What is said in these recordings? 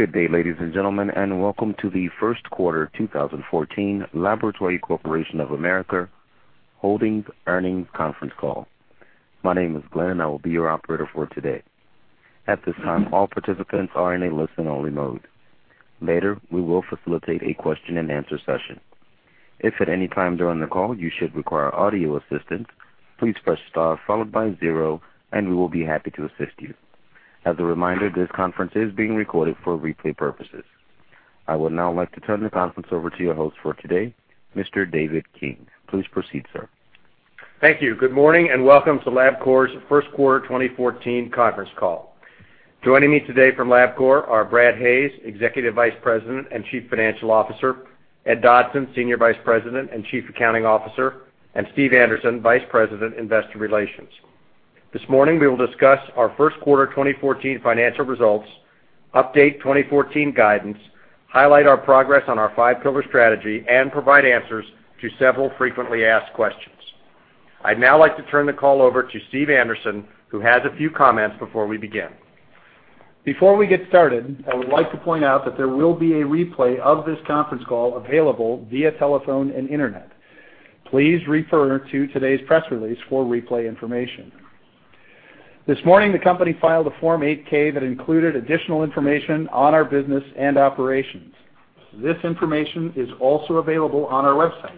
Good day, ladies and gentlemen, and welcome to the first quarter 2014 Laboratory Corporation of America Holdings earnings conference call. My name is Glenn, and I will be your operator for today. At this time, all participants are in a listen-only mode. Later, we will facilitate a question-and-answer session. If at any time during the call you should require audio assistance, please press star followed by zero, and we will be happy to assist you. As a reminder, this conference is being recorded for replay purposes. I would now like to turn the conference over to your host for today, Mr. David King. Please proceed, sir. Thank you. Good morning and welcome to Labcorp's first quarter 2014 conference call. Joining me today from Labcorp are Brad Hayes, Executive Vice President and Chief Financial Officer, Ed Dodson, Senior Vice President and Chief Accounting Officer, and Steve Anderson, Vice President, Investor Relations. This morning, we will discuss our first quarter 2014 financial results, update 2014 guidance, highlight our progress on our five pillar strategy, and provide answers to several frequently asked questions. I'd now like to turn the call over to Steve Anderson, who has a few comments before we begin. Before we get started, I would like to point out that there will be a replay of this conference call available via telephone and internet. Please refer to today's press release for replay information. This morning, the company filed a Form 8K that included additional information on our business and operations. This information is also available on our website.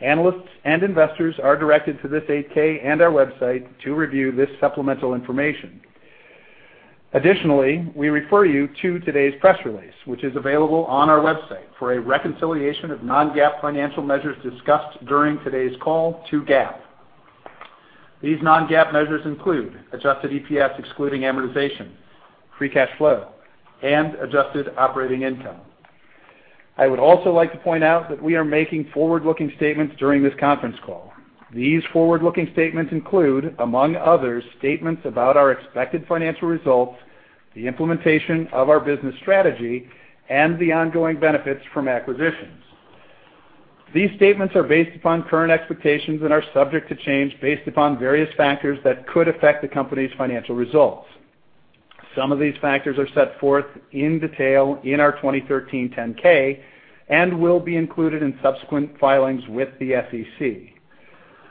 Analysts and investors are directed to this 8K and our website to review this supplemental information. Additionally, we refer you to today's press release, which is available on our website for a reconciliation of non-GAAP financial measures discussed during today's call to GAAP. These non-GAAP measures include adjusted EPS excluding amortization, free cash flow, and adjusted operating income. I would also like to point out that we are making forward-looking statements during this conference call. These forward-looking statements include, among others, statements about our expected financial results, the implementation of our business strategy, and the ongoing benefits from acquisitions. These statements are based upon current expectations and are subject to change based upon various factors that could affect the company's financial results. Some of these factors are set forth in detail in our 2013 10-K and will be included in subsequent filings with the SEC.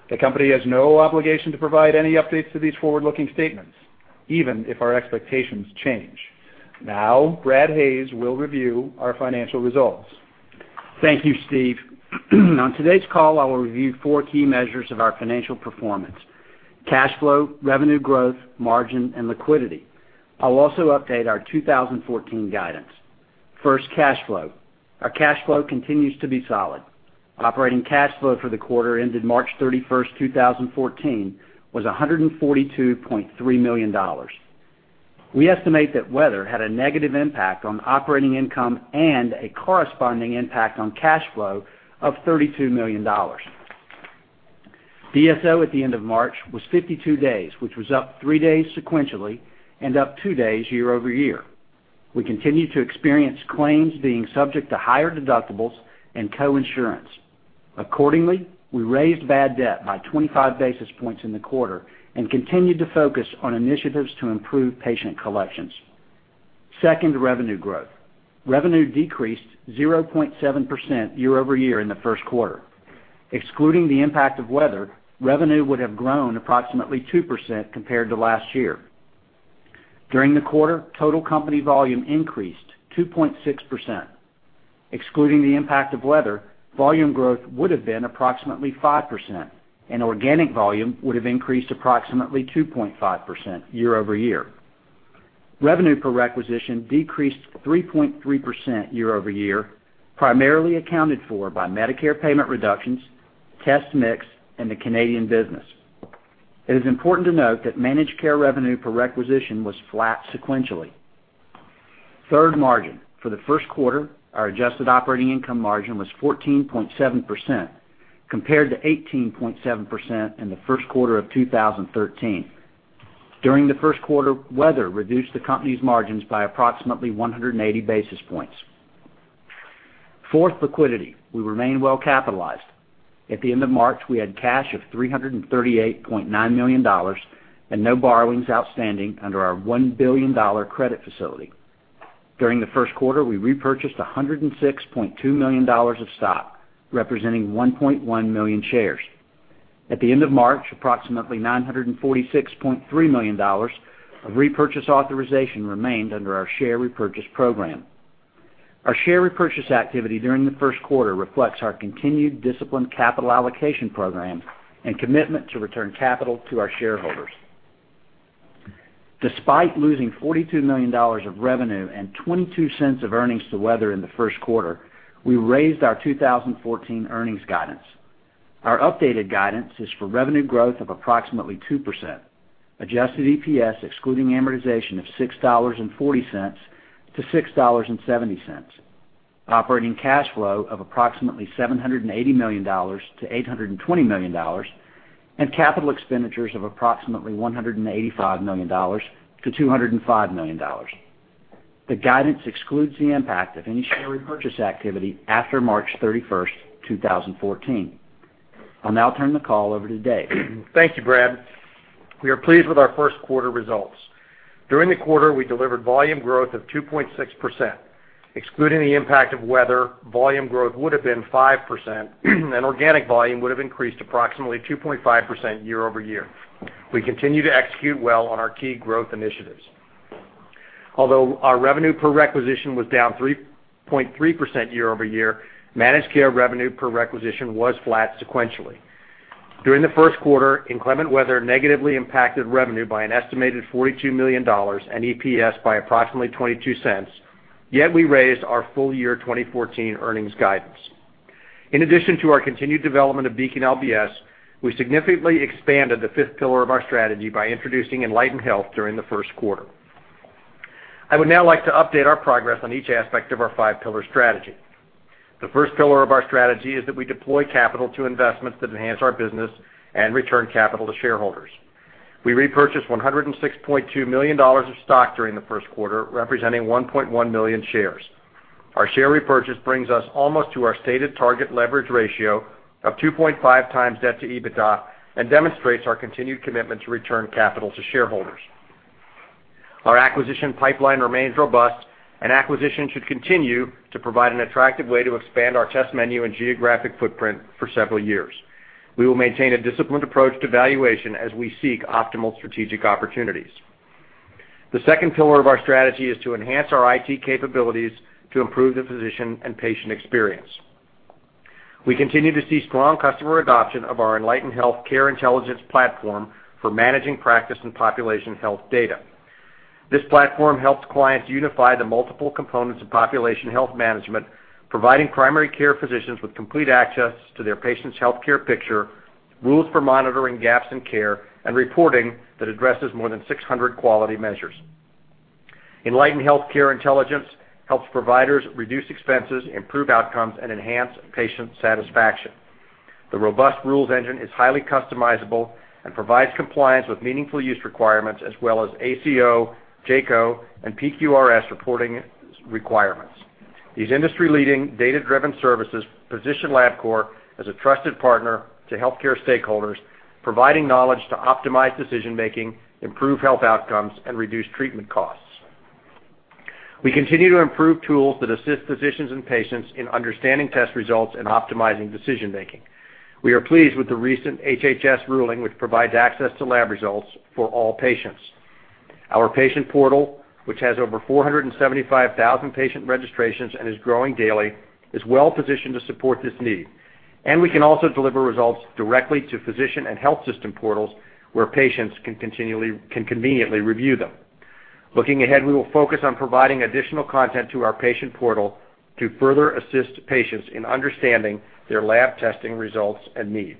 The company has no obligation to provide any updates to these forward-looking statements, even if our expectations change. Now, Brad Hayes will review our financial results. Thank you, Steve. On today's call, I will review four key measures of our financial performance: cash flow, revenue growth, margin, and liquidity. I'll also update our 2014 guidance. First, cash flow. Our cash flow continues to be solid. Operating cash flow for the quarter ended March 31, 2014, was $142.3 million. We estimate that weather had a negative impact on operating income and a corresponding impact on cash flow of $32 million. DSO at the end of March was 52 days, which was up three days sequentially and up two days year over year. We continue to experience claims being subject to higher deductibles and co-insurance. Accordingly, we raised bad debt by 25 basis points in the quarter and continued to focus on initiatives to improve patient collections. Second, revenue growth. Revenue decreased 0.7% year over year in the first quarter. Excluding the impact of weather, revenue would have grown approximately 2% compared to last year. During the quarter, total company volume increased 2.6%. Excluding the impact of weather, volume growth would have been approximately 5%, and organic volume would have increased approximately 2.5% year over year. Revenue per requisition decreased 3.3% year over year, primarily accounted for by Medicare payment reductions, test mix, and the Canadian business. It is important to note that managed care revenue per requisition was flat sequentially. Third, margin. For the first quarter, our adjusted operating income margin was 14.7% compared to 18.7% in the first quarter of 2013. During the first quarter, weather reduced the company's margins by approximately 180 basis points. Fourth, liquidity. We remain well capitalized. At the end of March, we had cash of $338.9 million and no borrowings outstanding under our $1 billion credit facility. During the first quarter, we repurchased $106.2 million of stock, representing 1.1 million shares. At the end of March, approximately $946.3 million of repurchase authorization remained under our share repurchase program. Our share repurchase activity during the first quarter reflects our continued disciplined capital allocation program and commitment to return capital to our shareholders. Despite losing $42 million of revenue and $0.22 of earnings to weather in the first quarter, we raised our 2014 earnings guidance. Our updated guidance is for revenue growth of approximately 2%, adjusted EPS excluding amortization of $6.40-$6.70, operating cash flow of approximately $780 million-$820 million, and capital expenditures of approximately $185 million-$205 million. The guidance excludes the impact of any share repurchase activity after March 31, 2014. I'll now turn the call over to Dave. Thank you, Brad. We are pleased with our first quarter results. During the quarter, we delivered volume growth of 2.6%. Excluding the impact of weather, volume growth would have been 5%, and organic volume would have increased approximately 2.5% year over year. We continue to execute well on our key growth initiatives. Although our revenue per requisition was down 3.3% year over year, managed care revenue per requisition was flat sequentially. During the first quarter, inclement weather negatively impacted revenue by an estimated $42 million and EPS by approximately $0.22, yet we raised our full year 2014 earnings guidance. In addition to our continued development of Beacon LBS, we significantly expanded the fifth pillar of our strategy by introducing Enlighten Health during the first quarter. I would now like to update our progress on each aspect of our five pillar strategy. The first pillar of our strategy is that we deploy capital to investments that enhance our business and return capital to shareholders. We repurchased $106.2 million of stock during the first quarter, representing 1.1 million shares. Our share repurchase brings us almost to our stated target leverage ratio of 2.5 times debt to EBITDA and demonstrates our continued commitment to return capital to shareholders. Our acquisition pipeline remains robust, and acquisitions should continue to provide an attractive way to expand our test menu and geographic footprint for several years. We will maintain a disciplined approach to valuation as we seek optimal strategic opportunities. The second pillar of our strategy is to enhance our IT capabilities to improve the physician and patient experience. We continue to see strong customer adoption of our Enlighten Health care intelligence platform for managing practice and population health data. This platform helps clients unify the multiple components of population health management, providing primary care physicians with complete access to their patient's healthcare picture, rules for monitoring gaps in care, and reporting that addresses more than 600 quality measures. Enlighten Health care intelligence helps providers reduce expenses, improve outcomes, and enhance patient satisfaction. The robust rules engine is highly customizable and provides compliance with meaningful use requirements as well as ACO, JCO, and PQRS reporting requirements. These industry-leading data-driven services position Labcorp as a trusted partner to healthcare stakeholders, providing knowledge to optimize decision-making, improve health outcomes, and reduce treatment costs. We continue to improve tools that assist physicians and patients in understanding test results and optimizing decision-making. We are pleased with the recent HHS ruling, which provides access to lab results for all patients. Our patient portal, which has over 475,000 patient registrations and is growing daily, is well-positioned to support this need, and we can also deliver results directly to physician and health system portals where patients can conveniently review them. Looking ahead, we will focus on providing additional content to our patient portal to further assist patients in understanding their lab testing results and needs.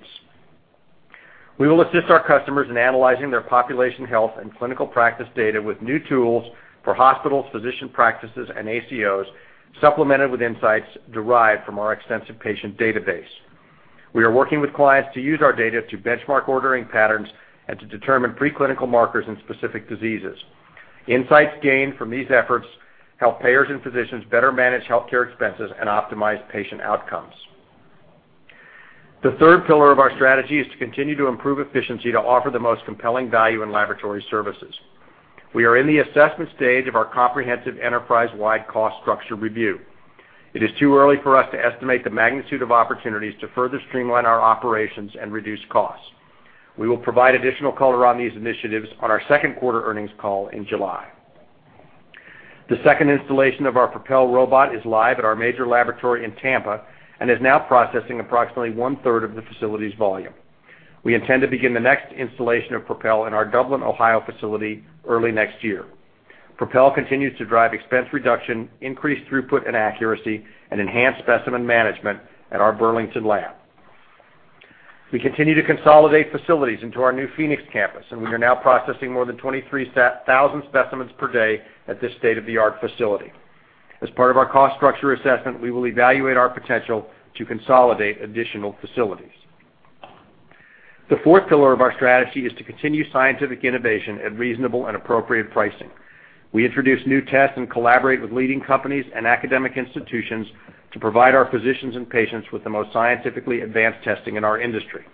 We will assist our customers in analyzing their population health and clinical practice data with new tools for hospitals, physician practices, and ACOs, supplemented with insights derived from our extensive patient database. We are working with clients to use our data to benchmark ordering patterns and to determine preclinical markers in specific diseases. Insights gained from these efforts help payers and physicians better manage healthcare expenses and optimize patient outcomes. The third pillar of our strategy is to continue to improve efficiency to offer the most compelling value in laboratory services. We are in the assessment stage of our comprehensive enterprise-wide cost structure review. It is too early for us to estimate the magnitude of opportunities to further streamline our operations and reduce costs. We will provide additional color on these initiatives on our second quarter earnings call in July. The second installation of our Propel robot is live at our major laboratory in Tampa and is now processing approximately one-third of the facility's volume. We intend to begin the next installation of Propel in our Dublin, Ohio facility early next year. Propel continues to drive expense reduction, increased throughput and accuracy, and enhanced specimen management at our Burlington lab. We continue to consolidate facilities into our new Phoenix campus, and we are now processing more than 23,000 specimens per day at this state-of-the-art facility. As part of our cost structure assessment, we will evaluate our potential to consolidate additional facilities. The fourth pillar of our strategy is to continue scientific innovation at reasonable and appropriate pricing. We introduce new tests and collaborate with leading companies and academic institutions to provide our physicians and patients with the most scientifically advanced testing in our industry.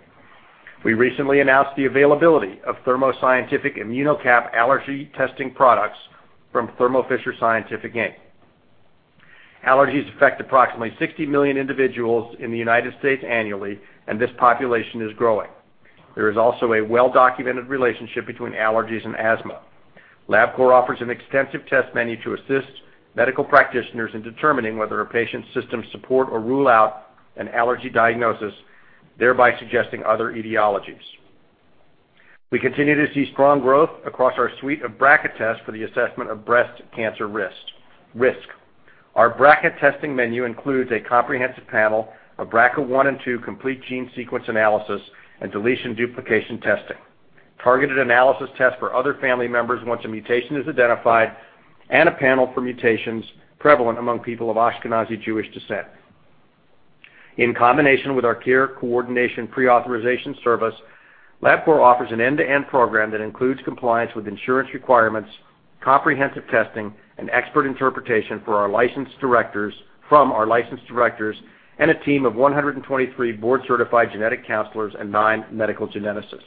We recently announced the availability of ImmunoCap allergy testing products from Thermo Fisher Scientific. Allergies affect approximately 60 million individuals in the United States annually, and this population is growing. There is also a well-documented relationship between allergies and asthma. Labcorp offers an extensive test menu to assist medical practitioners in determining whether a patient's systems support or rule out an allergy diagnosis, thereby suggesting other etiologies. We continue to see strong growth across our suite of BRCA tests for the assessment of breast cancer risk. Our BRCA testing menu includes a comprehensive panel of BRCA1 and 2 complete gene sequence analysis and deletion duplication testing, targeted analysis tests for other family members once a mutation is identified, and a panel for mutations prevalent among people of Ashkenazi Jewish descent. In combination with our care coordination pre-authorization service, Labcorp offers an end-to-end program that includes compliance with insurance requirements, comprehensive testing, and expert interpretation from our licensed directors and a team of 123 board-certified genetic counselors and nine medical geneticists.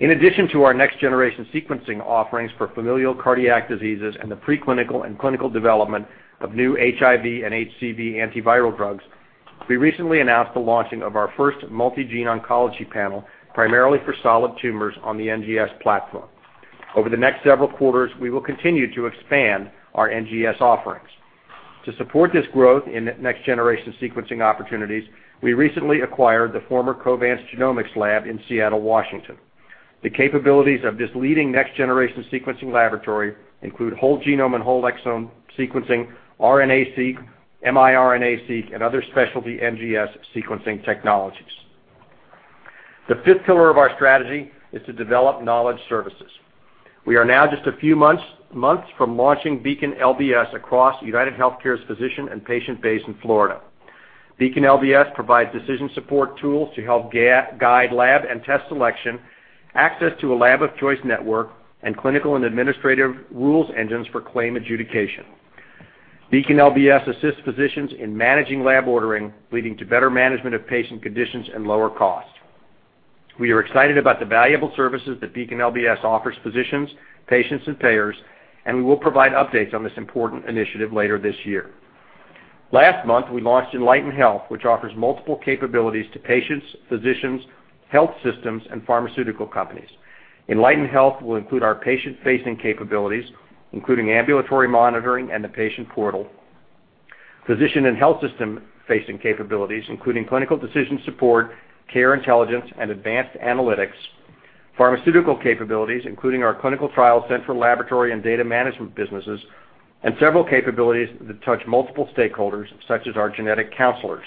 In addition to our next-generation sequencing offerings for familial cardiac diseases and the preclinical and clinical development of new HIV and HCV antiviral drugs, we recently announced the launching of our first multi-gene oncology panel primarily for solid tumors on the NGS platform. Over the next several quarters, we will continue to expand our NGS offerings. To support this growth in next-generation sequencing opportunities, we recently acquired the former Covance Genomics Lab in Seattle, Washington. The capabilities of this leading next-generation sequencing laboratory include whole genome and whole exome sequencing, RNA-seq, mRNA-seq, and other specialty NGS sequencing technologies. The fifth pillar of our strategy is to develop knowledge services. We are now just a few months from launching Beacon LBS across United Healthcare's physician and patient base in Florida. Beacon LBS provides decision support tools to help guide lab and test selection, access to a lab of choice network, and clinical and administrative rules engines for claim adjudication. Beacon LBS assists physicians in managing lab ordering, leading to better management of patient conditions and lower costs. We are excited about the valuable services that Beacon LBS offers physicians, patients, and payers, and we will provide updates on this important initiative later this year. Last month, we launched Enlighten Health, which offers multiple capabilities to patients, physicians, health systems, and pharmaceutical companies. Enlighten Health will include our patient-facing capabilities, including ambulatory monitoring and the patient portal, physician and health system-facing capabilities, including clinical decision support, care intelligence, and advanced analytics, pharmaceutical capabilities, including our clinical trial center laboratory and data management businesses, and several capabilities that touch multiple stakeholders, such as our genetic counselors.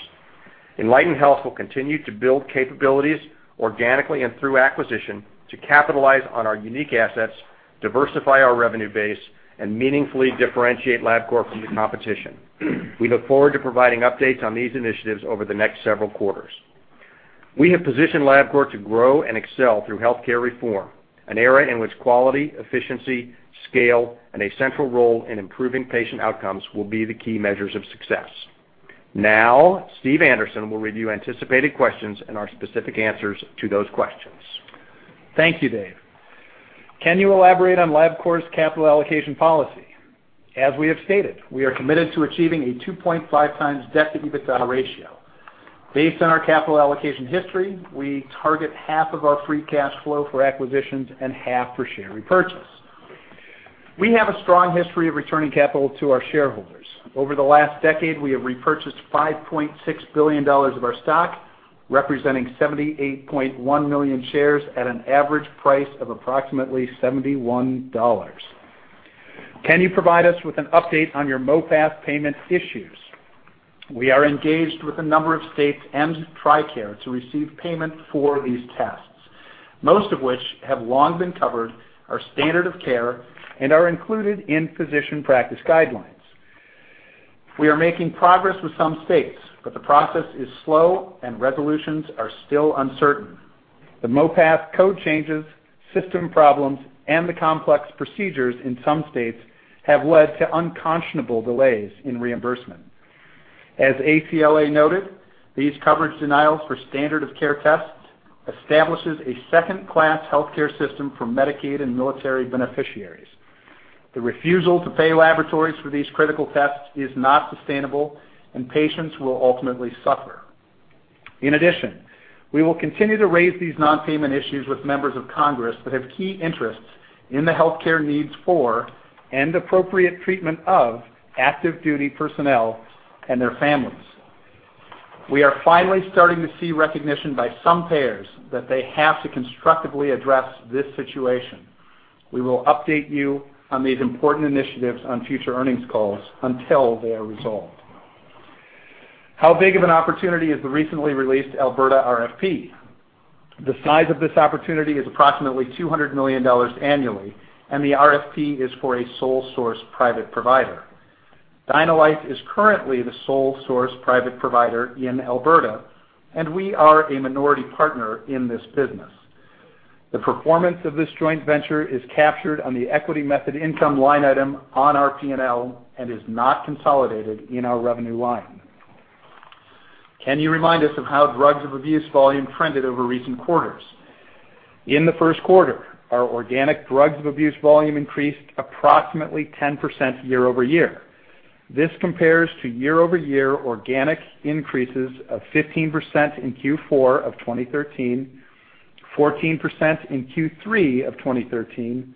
Enlighten Health will continue to build capabilities organically and through acquisition to capitalize on our unique assets, diversify our revenue base, and meaningfully differentiate Labcorp from the competition. We look forward to providing updates on these initiatives over the next several quarters. We have positioned Labcorp to grow and excel through healthcare reform, an era in which quality, efficiency, scale, and a central role in improving patient outcomes will be the key measures of success. Now, Steve Anderson will review anticipated questions and our specific answers to those questions. Thank you, Dave. Can you elaborate on Labcorp's capital allocation policy? As we have stated, we are committed to achieving a 2.5 times debt to EBITDA ratio. Based on our capital allocation history, we target half of our free cash flow for acquisitions and half for share repurchase. We have a strong history of returning capital to our shareholders. Over the last decade, we have repurchased $5.6 billion of our stock, representing 78.1 million shares at an average price of approximately $71. Can you provide us with an update on your MOPATH payment issues? We are engaged with a number of states and Tricare to receive payment for these tests, most of which have long been covered, are standard of care, and are included in physician practice guidelines. We are making progress with some states, but the process is slow and resolutions are still uncertain. The MOPATH code changes, system problems, and the complex procedures in some states have led to unconscionable delays in reimbursement. As ACLA noted, these coverage denials for standard of care tests establish a second-class healthcare system for Medicaid and military beneficiaries. The refusal to pay laboratories for these critical tests is not sustainable, and patients will ultimately suffer. In addition, we will continue to raise these non-payment issues with members of Congress that have key interests in the healthcare needs for and appropriate treatment of active duty personnel and their families. We are finally starting to see recognition by some payers that they have to constructively address this situation. We will update you on these important initiatives on future earnings calls until they are resolved. How big of an opportunity is the recently released Alberta RFP? The size of this opportunity is approximately $200 million annually, and the RFP is for a sole source private provider. DynaLife is currently the sole source private provider in Alberta, and we are a minority partner in this business. The performance of this joint venture is captured on the equity method income line item on our P&L and is not consolidated in our revenue line. Can you remind us of how drugs of abuse volume trended over recent quarters? In the first quarter, our organic drugs of abuse volume increased approximately 10% year over year. This compares to year-over-year organic increases of 15% in Q4 of 2013, 14% in Q3 of 2013,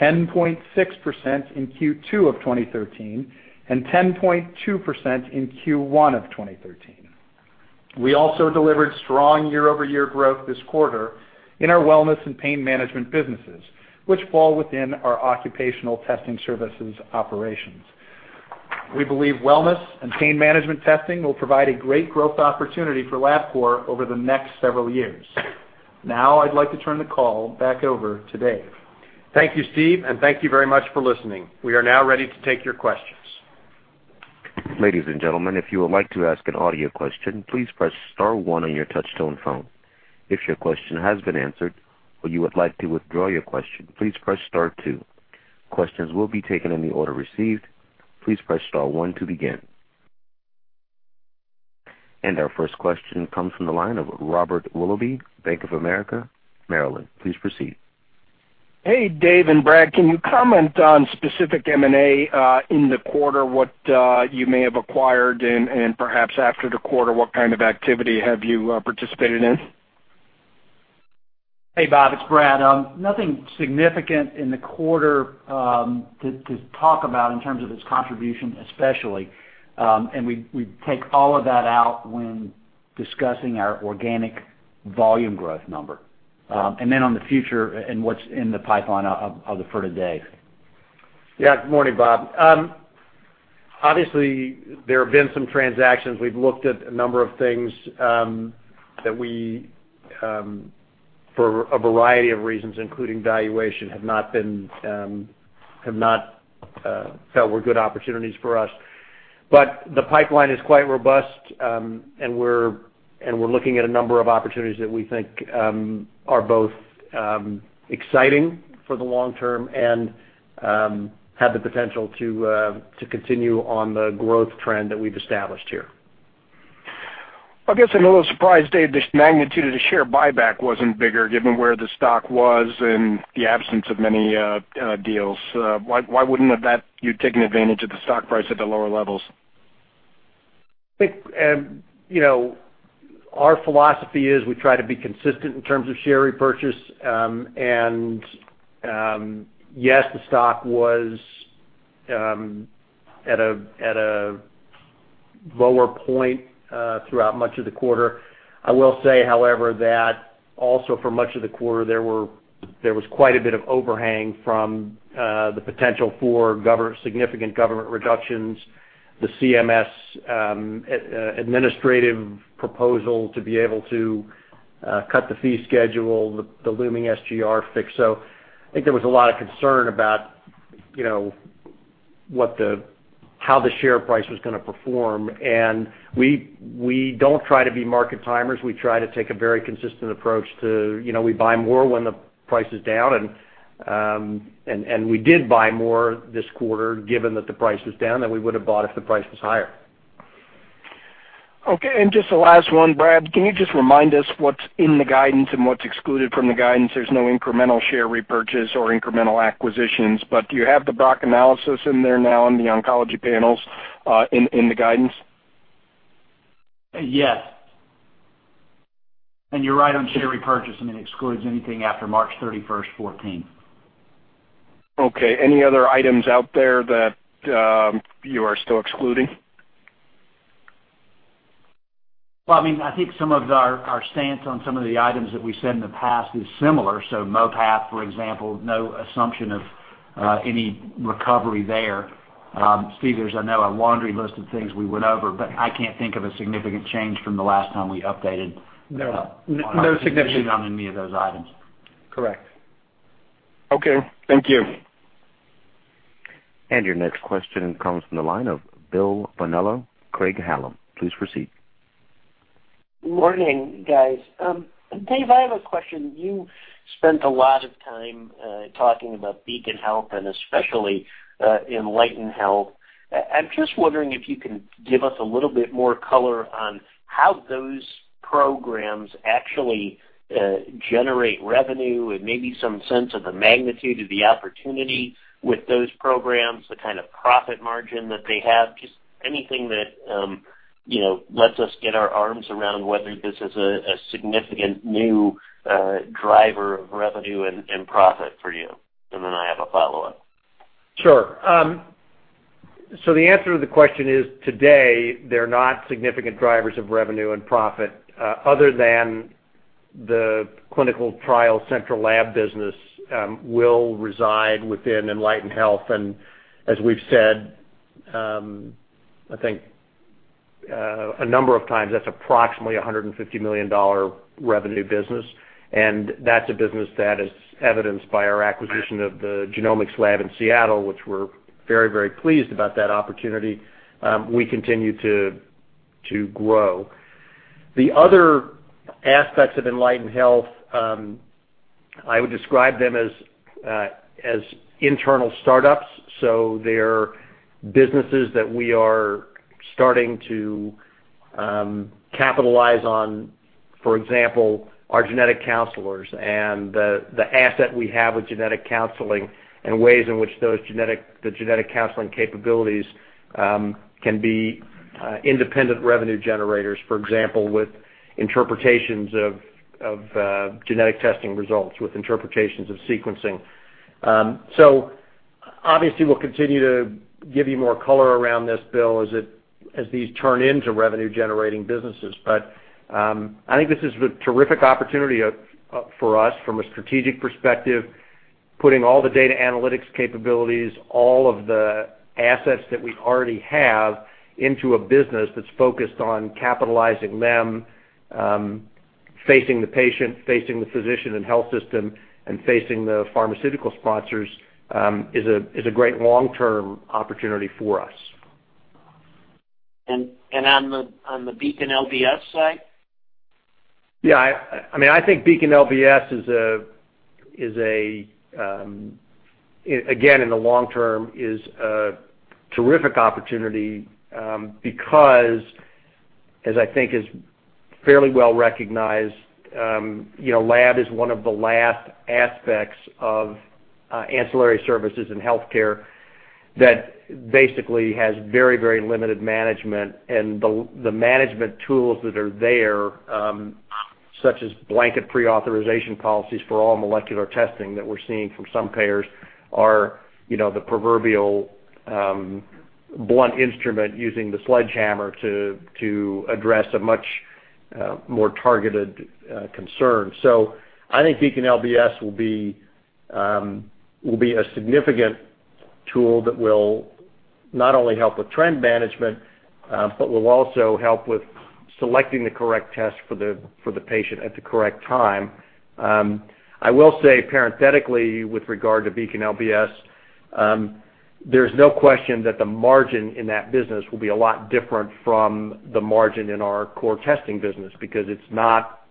10.6% in Q2 of 2013, and 10.2% in Q1 of 2013. We also delivered strong year-over-year growth this quarter in our wellness and pain management businesses, which fall within our occupational testing services operations. We believe wellness and pain management testing will provide a great growth opportunity for Labcorp over the next several years. Now, I'd like to turn the call back over to Dave. Thank you, Steve, and thank you very much for listening. We are now ready to take your questions. Ladies and gentlemen, if you would like to ask an audio question, please press Star 1 on your touchstone phone. If your question has been answered or you would like to withdraw your question, please press star two. Questions will be taken in the order received. Please press star one to begin. Our first question comes from the line of Robert Willoughby, Bank of America, Maryland. Please proceed. Hey, Dave and Brad, can you comment on specific M&A in the quarter? What you may have acquired and perhaps after the quarter, what kind of activity have you participated in? Hey, Bob, it's Brad. Nothing significant in the quarter to talk about in terms of its contribution especially, and we take all of that out when discussing our organic volume growth number and then on the future and what's in the pipeline for today. Yeah, good morning, Bob. Obviously, there have been some transactions. We've looked at a number of things that we, for a variety of reasons, including valuation, have not felt were good opportunities for us. The pipeline is quite robust, and we're looking at a number of opportunities that we think are both exciting for the long term and have the potential to continue on the growth trend that we've established here. I guess I'm a little surprised, Dave, this magnitude of the share buyback wasn't bigger given where the stock was and the absence of many deals. Why wouldn't you have taken advantage of the stock price at the lower levels? Our philosophy is we try to be consistent in terms of share repurchase. Yes, the stock was at a lower point throughout much of the quarter. I will say, however, that also for much of the quarter, there was quite a bit of overhang from the potential for significant government reductions, the CMS administrative proposal to be able to cut the fee schedule, the looming SGR fix. I think there was a lot of concern about how the share price was going to perform. We do not try to be market timers. We try to take a very consistent approach to we buy more when the price is down. We did buy more this quarter given that the price was down than we would have bought if the price was higher. Okay. Just the last one, Brad, can you just remind us what's in the guidance and what's excluded from the guidance? There's no incremental share repurchase or incremental acquisitions, but do you have the Brock analysis in there now on the oncology panels in the guidance? Yes. You're right on share repurchase. I mean, it excludes anything after March 31, 2014. Okay. Any other items out there that you are still excluding? I mean, I think some of our stance on some of the items that we said in the past is similar. So MOPATH, for example, no assumption of any recovery there. Steve, there's, I know, a laundry list of things we went over, but I can't think of a significant change from the last time we updated. No. No significant. I don't see anything on any of those items. Correct. Okay. Thank you. Your next question comes from the line of Bill Bonello, Craig-Hallum. Please proceed. Morning, guys. Dave, I have a question. You spent a lot of time talking about Beacon Health and especially Enlighten Health. I'm just wondering if you can give us a little bit more color on how those programs actually generate revenue and maybe some sense of the magnitude of the opportunity with those programs, the kind of profit margin that they have, just anything that lets us get our arms around whether this is a significant new driver of revenue and profit for you. I have a follow-up. Sure. The answer to the question is today, they're not significant drivers of revenue and profit other than the clinical trial central lab business will reside within Enlighten Health. As we've said, I think a number of times, that's approximately a $150 million revenue business. That's a business that is evidenced by our acquisition of the genomics lab in Seattle, which we're very, very pleased about that opportunity. We continue to grow. The other aspects of Enlighten Health, I would describe them as internal startups. They're businesses that we are starting to capitalize on, for example, our genetic counselors and the asset we have with genetic counseling and ways in which the genetic counseling capabilities can be independent revenue generators, for example, with interpretations of genetic testing results, with interpretations of sequencing. Obviously, we'll continue to give you more color around this, Bill, as these turn into revenue-generating businesses. I think this is a terrific opportunity for us from a strategic perspective, putting all the data analytics capabilities, all of the assets that we already have into a business that's focused on capitalizing them, facing the patient, facing the physician and health system, and facing the pharmaceutical sponsors is a great long-term opportunity for us. On the Beacon LBS side? Yeah. I mean, I think Beacon LBS is a, again, in the long term, is a terrific opportunity because, as I think is fairly well recognized, lab is one of the last aspects of ancillary services in healthcare that basically has very, very limited management. The management tools that are there, such as blanket pre-authorization policies for all molecular testing that we're seeing from some payers, are the proverbial blunt instrument using the sledgehammer to address a much more targeted concern. I think Beacon LBS will be a significant tool that will not only help with trend management, but will also help with selecting the correct test for the patient at the correct time. I will say parenthetically, with regard to Beacon LBS, there's no question that the margin in that business will be a lot different from the margin in our core testing business because it's not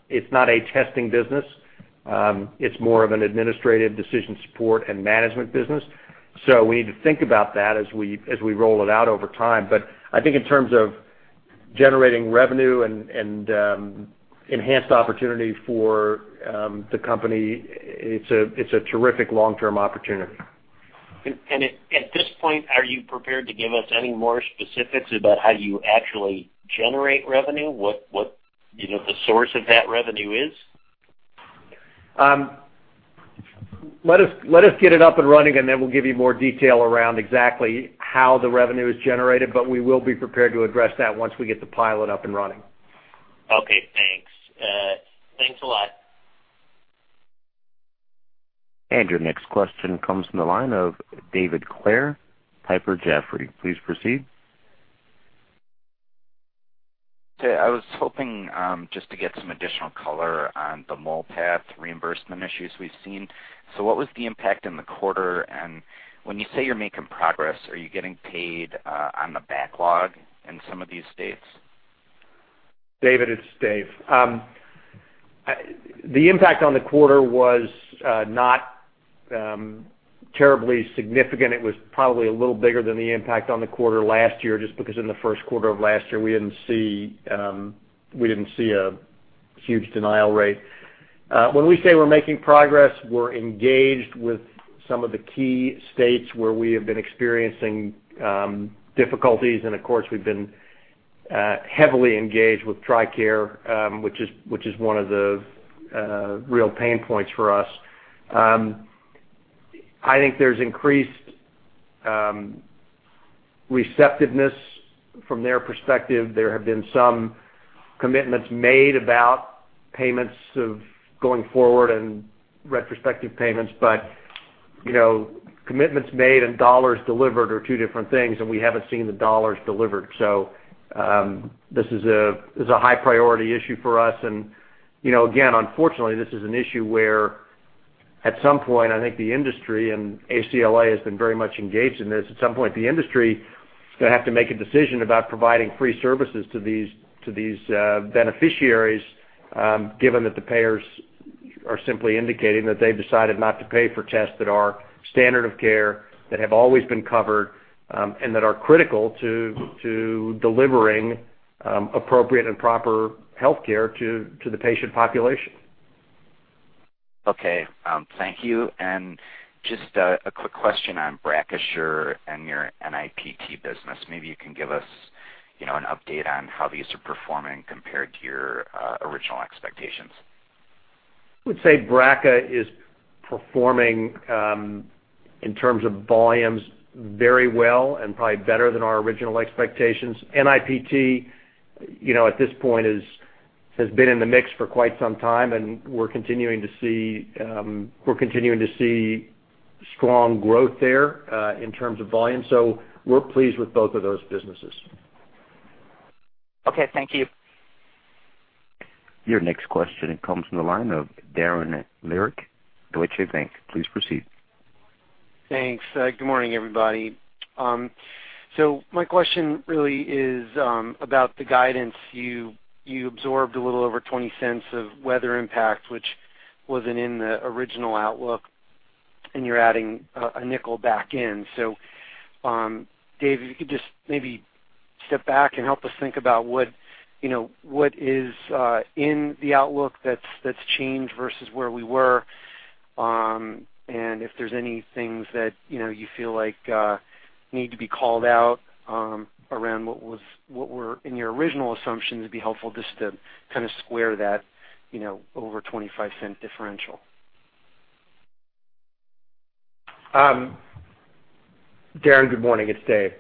a testing business. It's more of an administrative decision support and management business. We need to think about that as we roll it out over time. I think in terms of generating revenue and enhanced opportunity for the company, it's a terrific long-term opportunity. At this point, are you prepared to give us any more specifics about how you actually generate revenue, what the source of that revenue is? Let us get it up and running, and then we'll give you more detail around exactly how the revenue is generated. We will be prepared to address that once we get the pilot up and running. Okay. Thanks. Thanks a lot. Your next question comes from the line of David Clair Piper Jaffray. Please proceed. Okay. I was hoping just to get some additional color on the MOPATH reimbursement issues we've seen. What was the impact in the quarter? When you say you're making progress, are you getting paid on the backlog in some of these states? David, it's Dave. The impact on the quarter was not terribly significant. It was probably a little bigger than the impact on the quarter last year just because in the first quarter of last year, we didn't see a huge denial rate. When we say we're making progress, we're engaged with some of the key states where we have been experiencing difficulties. Of course, we've been heavily engaged with Tricare, which is one of the real pain points for us. I think there's increased receptiveness from their perspective. There have been some commitments made about payments going forward and retrospective payments. Commitments made and dollars delivered are two different things, and we haven't seen the dollars delivered. This is a high-priority issue for us. Unfortunately, this is an issue where at some point, I think the industry and ACLA has been very much engaged in this. At some point, the industry is going to have to make a decision about providing free services to these beneficiaries given that the payers are simply indicating that they've decided not to pay for tests that are standard of care, that have always been covered, and that are critical to delivering appropriate and proper healthcare to the patient population. Okay. Thank you. And just a quick question on Braccasure and your NIPT business. Maybe you can give us an update on how these are performing compared to your original expectations. I would say BRCA is performing in terms of volumes very well and probably better than our original expectations. NIPT at this point has been in the mix for quite some time, and we're continuing to see strong growth there in terms of volume. We are pleased with both of those businesses. Okay. Thank you. Your next question comes from the line of Darren Lyrick. What do you think? Please proceed. Thanks. Good morning, everybody. My question really is about the guidance. You absorbed a little over $0.20 of weather impact, which was not in the original outlook, and you are adding a nickel back in. Dave, if you could just maybe step back and help us think about what is in the outlook that has changed versus where we were and if there are any things that you feel like need to be called out around what were in your original assumptions, it would be helpful just to kind of square that over $0.25 differential. Daren, good morning. It's Dave.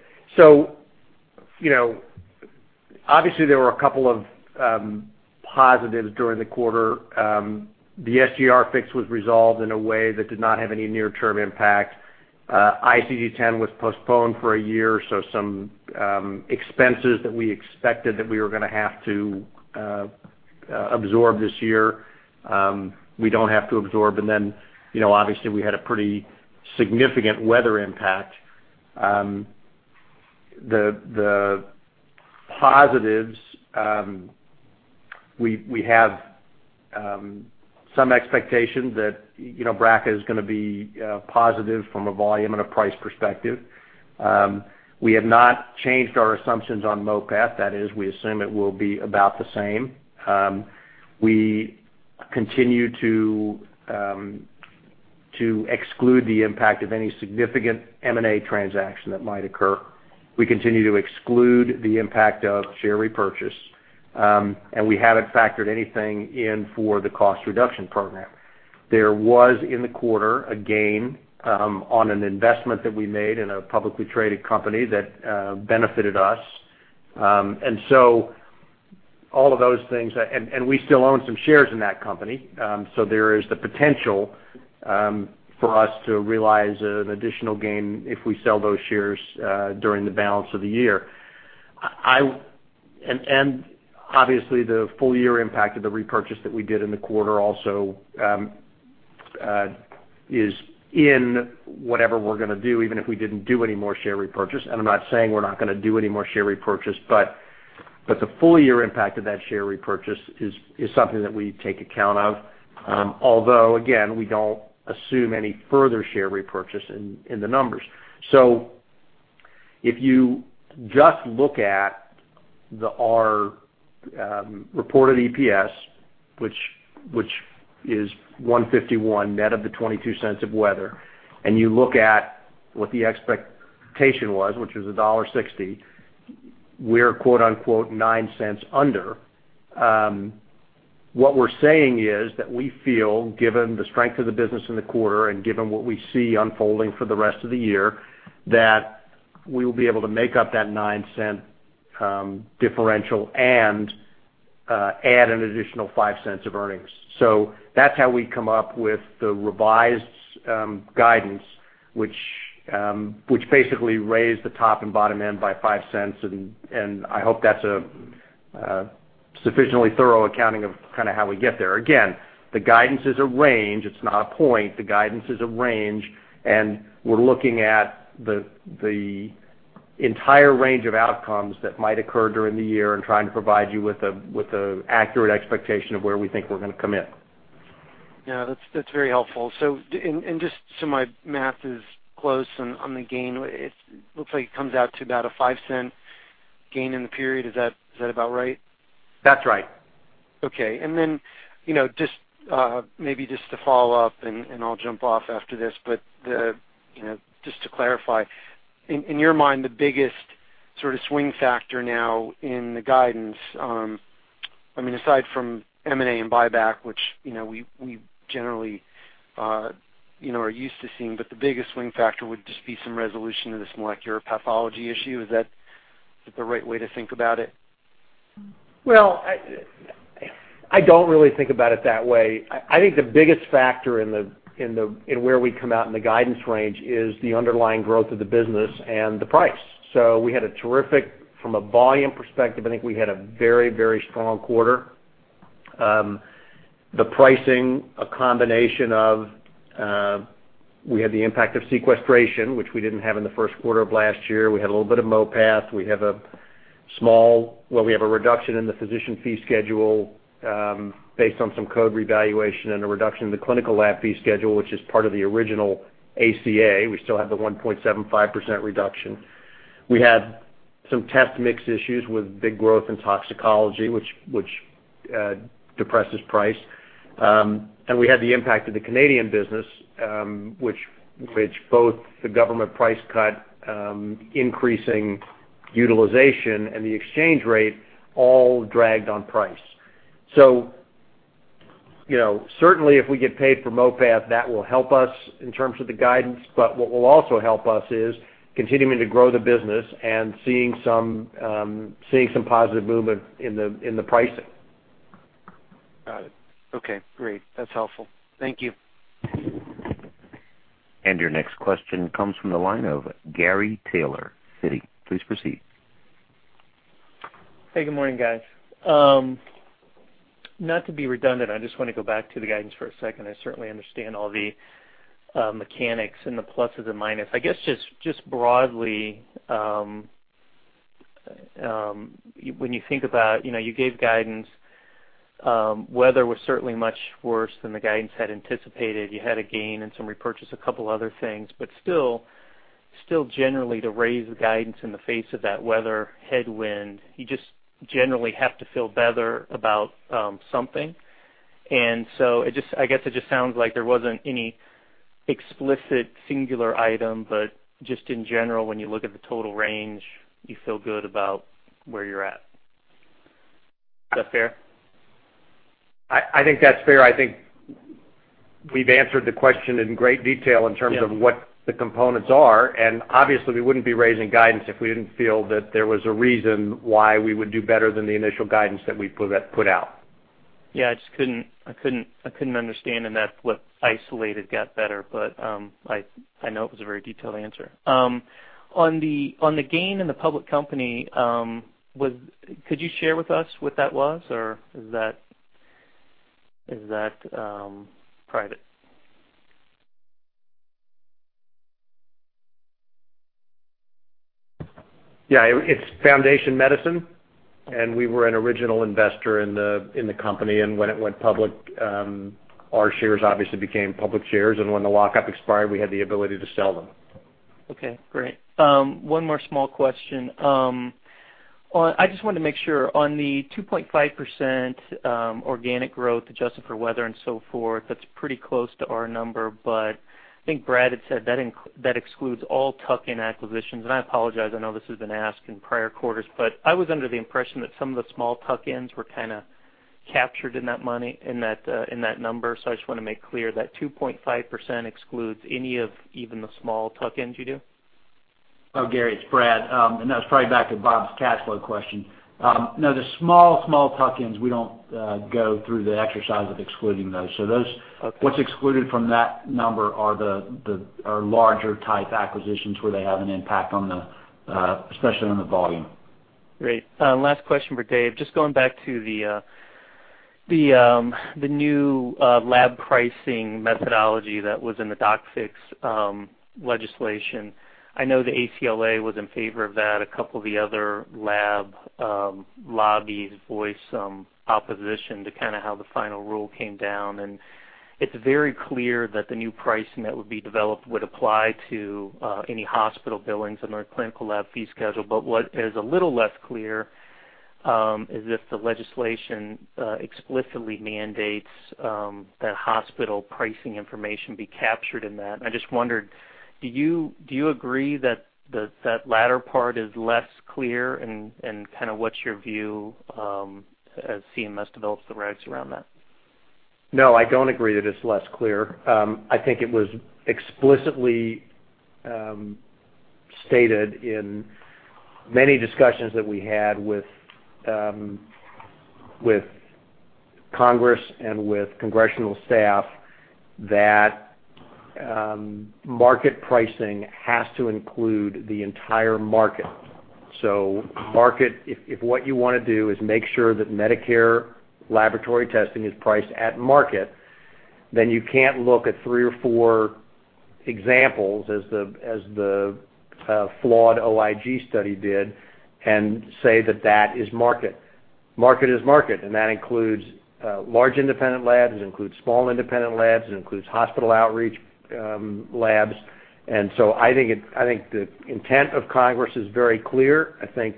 Obviously, there were a couple of positives during the quarter. The SGR fix was resolved in a way that did not have any near-term impact. ICD-10 was postponed for a year, so some expenses that we expected that we were going to have to absorb this year, we don't have to absorb. Obviously, we had a pretty significant weather impact. The positives, we have some expectations that BRCA is going to be positive from a volume and a price perspective. We have not changed our assumptions on MOPATH. That is, we assume it will be about the same. We continue to exclude the impact of any significant M&A transaction that might occur. We continue to exclude the impact of share repurchase, and we haven't factored anything in for the cost reduction program. There was in the quarter a gain on an investment that we made in a publicly traded company that benefited us. All of those things and we still own some shares in that company. There is the potential for us to realize an additional gain if we sell those shares during the balance of the year. Obviously, the full-year impact of the repurchase that we did in the quarter also is in whatever we are going to do, even if we did not do any more share repurchase. I am not saying we are not going to do any more share repurchase, but the full-year impact of that share repurchase is something that we take account of, although, again, we do not assume any further share repurchase in the numbers. If you just look at our reported EPS, which is $1.51 net of the $0.22 of weather, and you look at what the expectation was, which was $1.60, we're 9 cents under. What we're saying is that we feel, given the strength of the business in the quarter and given what we see unfolding for the rest of the year, that we will be able to make up that 9-cent differential and add an additional 5 cents of earnings. That's how we come up with the revised guidance, which basically raised the top and bottom end by 5 cents. I hope that's a sufficiently thorough accounting of kind of how we get there. Again, the guidance is a range. It's not a point. The guidance is a range. We're looking at the entire range of outcomes that might occur during the year and trying to provide you with an accurate expectation of where we think we're going to come in. Yeah. That's very helpful. And just so my math is close on the gain, it looks like it comes out to about a $0.05 gain in the period. Is that about right? That's right. Okay. And then just maybe just to follow up, and I'll jump off after this, but just to clarify, in your mind, the biggest sort of swing factor now in the guidance, I mean, aside from M&A and buyback, which we generally are used to seeing, but the biggest swing factor would just be some resolution of this molecular pathology issue. Is that the right way to think about it? I do not really think about it that way. I think the biggest factor in where we come out in the guidance range is the underlying growth of the business and the price. We had a terrific, from a volume perspective, I think we had a very, very strong quarter. The pricing, a combination of we had the impact of sequestration, which we did not have in the first quarter of last year. We had a little bit of MOPATH. We have a small, well, we have a reduction in the physician fee schedule based on some code revaluation and a reduction in the clinical lab fee schedule, which is part of the original ACA. We still have the 1.75% reduction. We had some test mix issues with big growth in toxicology, which depresses price. We had the impact of the Canadian business, which both the government price cut, increasing utilization, and the exchange rate all dragged on price. Certainly, if we get paid for MOPATH, that will help us in terms of the guidance. What will also help us is continuing to grow the business and seeing some positive movement in the pricing. Got it. Okay. Great. That's helpful. Thank you. Your next question comes from the line of Gary Taylor, Citi. Please proceed. Hey. Good morning, guys. Not to be redundant, I just want to go back to the guidance for a second. I certainly understand all the mechanics and the pluses and minus. I guess just broadly, when you think about you gave guidance. Weather was certainly much worse than the guidance had anticipated. You had a gain in some repurchase, a couple of other things. Still, generally, to raise the guidance in the face of that weather headwind, you just generally have to feel better about something. I guess it just sounds like there wasn't any explicit singular item, but just in general, when you look at the total range, you feel good about where you're at. Is that fair? I think that's fair. I think we've answered the question in great detail in terms of what the components are. Obviously, we wouldn't be raising guidance if we didn't feel that there was a reason why we would do better than the initial guidance that we put out. Yeah. I just couldn't understand in that what isolated got better, but I know it was a very detailed answer. On the gain in the public company, could you share with us what that was, or is that private? Yeah. It's Foundation Medicine, and we were an original investor in the company. When it went public, our shares obviously became public shares. When the lockup expired, we had the ability to sell them. Okay. Great. One more small question. I just wanted to make sure. On the 2.5% organic growth adjusted for weather and so forth, that's pretty close to our number. I think Brad had said that excludes all tuck-in acquisitions. I apologize. I know this has been asked in prior quarters, but I was under the impression that some of the small tuck-ins were kind of captured in that number. I just want to make clear that 2.5% excludes any of even the small tuck-ins you do? Oh, Gary. It's Brad. That was probably back to Bob's cash flow question. No, the small, small tuck-ins, we don't go through the exercise of excluding those. What's excluded from that number are larger-type acquisitions where they have an impact on the especially on the volume. Great. Last question for Dave. Just going back to the new lab pricing methodology that was in the doc fix legislation. I know the ACLA was in favor of that. A couple of the other lab lobbies voiced some opposition to kind of how the final rule came down. It is very clear that the new price that would be developed would apply to any hospital billings under a clinical lab fee schedule. What is a little less clear is if the legislation explicitly mandates that hospital pricing information be captured in that. I just wondered, do you agree that that latter part is less clear? And kind of what's your view as CMS develops the regs around that? No, I don't agree that it's less clear. I think it was explicitly stated in many discussions that we had with Congress and with congressional staff that market pricing has to include the entire market. If what you want to do is make sure that Medicare laboratory testing is priced at market, then you can't look at three or four examples as the flawed OIG study did and say that that is market. Market is market. That includes large independent labs. It includes small independent labs. It includes hospital outreach labs. I think the intent of Congress is very clear. I think,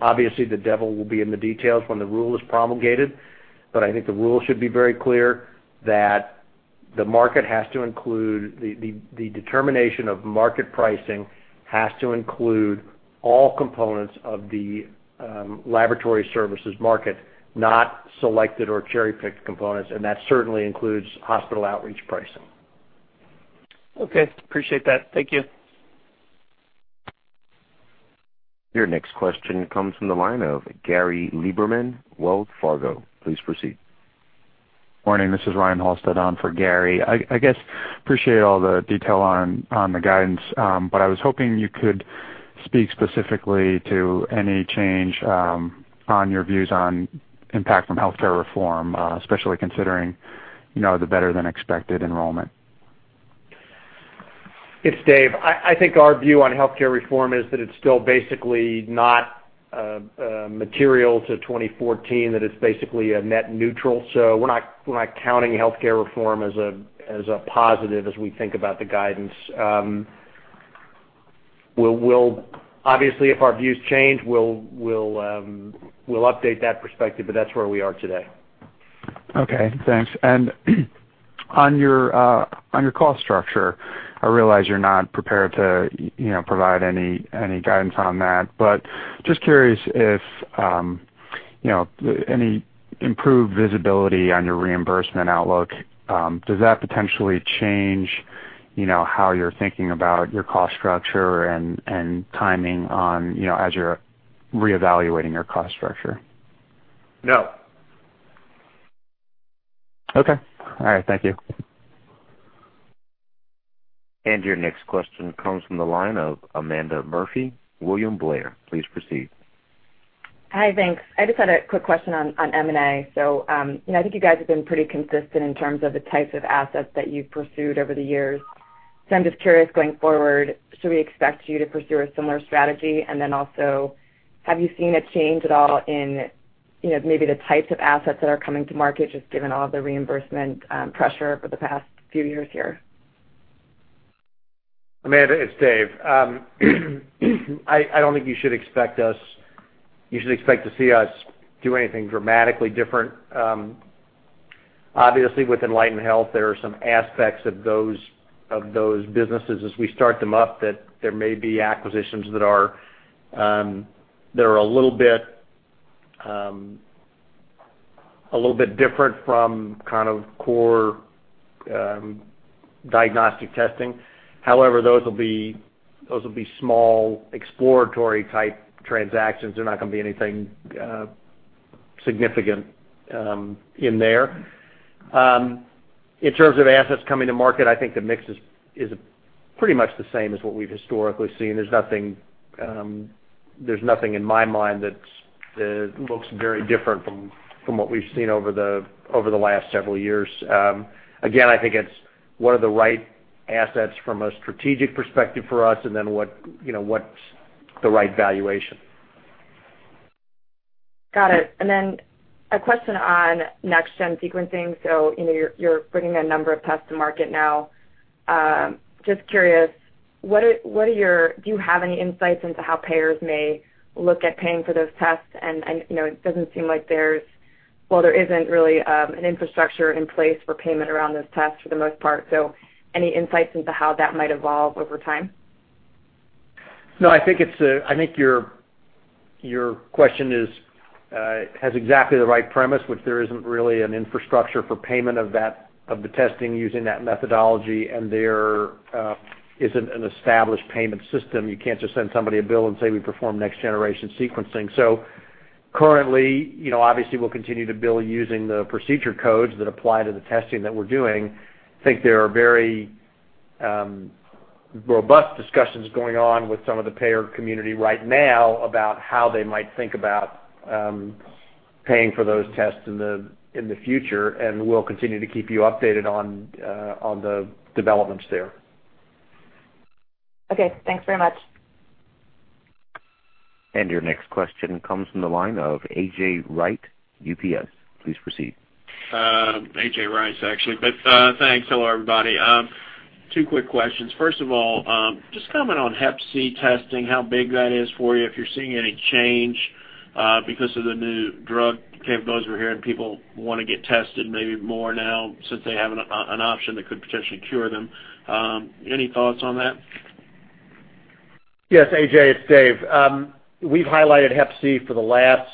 obviously, the devil will be in the details when the rule is promulgated. I think the rule should be very clear that the market has to include the determination of market pricing has to include all components of the laboratory services market, not selected or cherry-picked components. That certainly includes hospital outreach pricing. Okay. Appreciate that. Thank you. Your next question comes from the line of Gary Lieberman, Wells Fargo. Please proceed. Morning. This is Ryan Halsted on for Gary. I guess appreciate all the detail on the guidance, but I was hoping you could speak specifically to any change on your views on impact from healthcare reform, especially considering the better-than-expected enrollment. It's Dave. I think our view on healthcare reform is that it's still basically not material to 2014, that it's basically a net neutral. So we're not counting healthcare reform as a positive as we think about the guidance. Obviously, if our views change, we'll update that perspective, but that's where we are today. Okay. Thanks. On your cost structure, I realize you're not prepared to provide any guidance on that, but just curious if any improved visibility on your reimbursement outlook, does that potentially change how you're thinking about your cost structure and timing as you're reevaluating your cost structure? No. Okay. All right. Thank you. Your next question comes from the line of Amanda Murphy, William Blair. Please proceed. Hi, Vince. I just had a quick question on M&A. I think you guys have been pretty consistent in terms of the types of assets that you've pursued over the years. I am just curious going forward, should we expect you to pursue a similar strategy? Also, have you seen a change at all in maybe the types of assets that are coming to market just given all the reimbursement pressure for the past few years here? Amanda, it's Dave. I don't think you should expect to see us do anything dramatically different. Obviously, with Enlighten Health, there are some aspects of those businesses as we start them up that there may be acquisitions that are a little bit different from kind of core diagnostic testing. However, those will be small exploratory-type transactions. They're not going to be anything significant in there. In terms of assets coming to market, I think the mix is pretty much the same as what we've historically seen. There's nothing in my mind that looks very different from what we've seen over the last several years. Again, I think it's what are the right assets from a strategic perspective for us, and then what's the right valuation. Got it. Then a question on next-gen sequencing. You're bringing a number of tests to market now. Just curious, do you have any insights into how payers may look at paying for those tests? It does not seem like there is, well, there is not really an infrastructure in place for payment around those tests for the most part. Any insights into how that might evolve over time? No, I think your question has exactly the right premise, which there isn't really an infrastructure for payment of the testing using that methodology. There isn't an established payment system. You can't just send somebody a bill and say, "We perform next-generation sequencing." Currently, obviously, we'll continue to bill using the procedure codes that apply to the testing that we're doing. I think there are very robust discussions going on with some of the payer community right now about how they might think about paying for those tests in the future. We'll continue to keep you updated on the developments there. Okay. Thanks very much. Your next question comes from the line of AJ Rice, UBS. Please proceed. AJ Rice, actually. Thanks. Hello, everybody. Two quick questions. First of all, just comment on Hep C testing, how big that is for you, if you're seeing any change because of the new drug capabilities we're hearing. People want to get tested maybe more now since they have an option that could potentially cure them. Any thoughts on that? Yes, AJ, it's Dave. We've highlighted Hep C for the last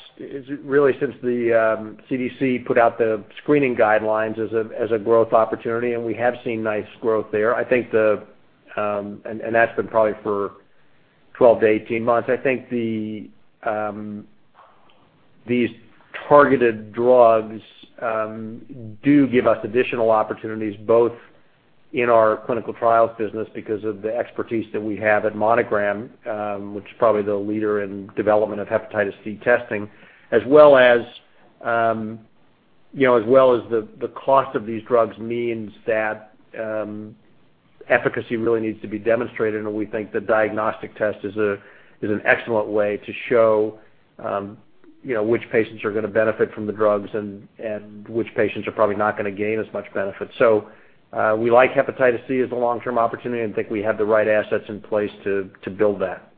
really since the CDC put out the screening guidelines as a growth opportunity, and we have seen nice growth there. I think that's been probably for 12-18 months. I think these targeted drugs do give us additional opportunities both in our clinical trials business because of the expertise that we have at Monogram, which is probably the leader in development of hepatitis C testing, as well as the cost of these drugs means that efficacy really needs to be demonstrated. We think the diagnostic test is an excellent way to show which patients are going to benefit from the drugs and which patients are probably not going to gain as much benefit. We like hepatitis C as a long-term opportunity and think we have the right assets in place to build that.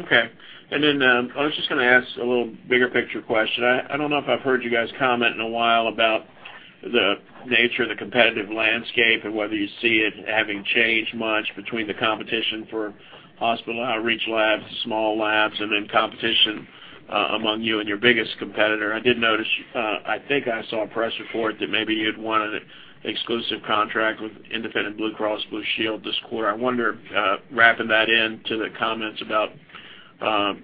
Okay. I was just going to ask a little bigger-picture question. I do not know if I have heard you guys comment in a while about the nature of the competitive landscape and whether you see it having changed much between the competition for hospital outreach labs, small labs, and then competition among you and your biggest competitor. I did notice I think I saw a press report that maybe you had won an exclusive contract with independent Blue Cross Blue Shield this quarter. I wonder, wrapping that into the comments about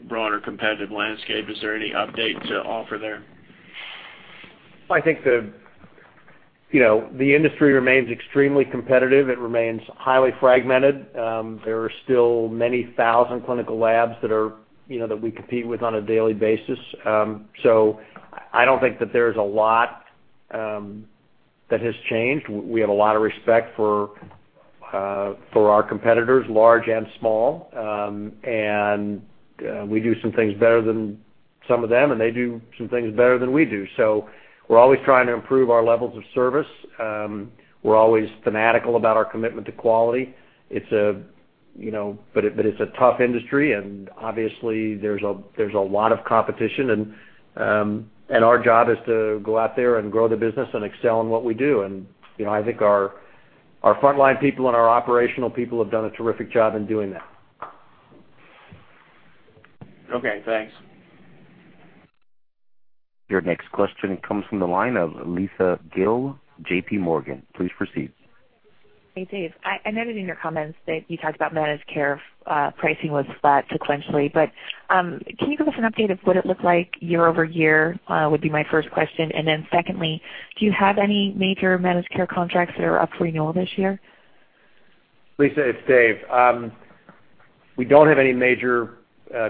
broader competitive landscape, is there any update to offer there? I think the industry remains extremely competitive. It remains highly fragmented. There are still many thousand clinical labs that we compete with on a daily basis. I do not think that there is a lot that has changed. We have a lot of respect for our competitors, large and small. We do some things better than some of them, and they do some things better than we do. We are always trying to improve our levels of service. We are always fanatical about our commitment to quality. It is a tough industry, and obviously, there is a lot of competition. Our job is to go out there and grow the business and excel in what we do. I think our frontline people and our operational people have done a terrific job in doing that. Okay. Thanks. Your next question comes from the line of Lisa Gill, JPMorgan. Please proceed. Hey, Dave. I noted in your comments that you talked about managed care pricing was flat sequentially. Can you give us an update of what it looked like year over year would be my first question. Secondly, do you have any major managed care contracts that are up for renewal this year? Lisa, it's Dave. We don't have any major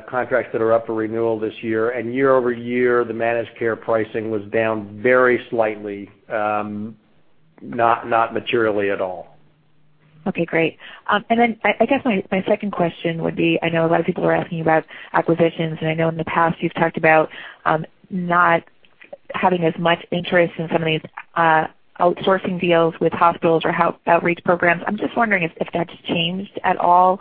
contracts that are up for renewal this year. Year over year, the managed care pricing was down very slightly, not materially at all. Okay. Great. I guess my second question would be I know a lot of people are asking about acquisitions. I know in the past you've talked about not having as much interest in some of these outsourcing deals with hospitals or outreach programs. I'm just wondering if that's changed at all,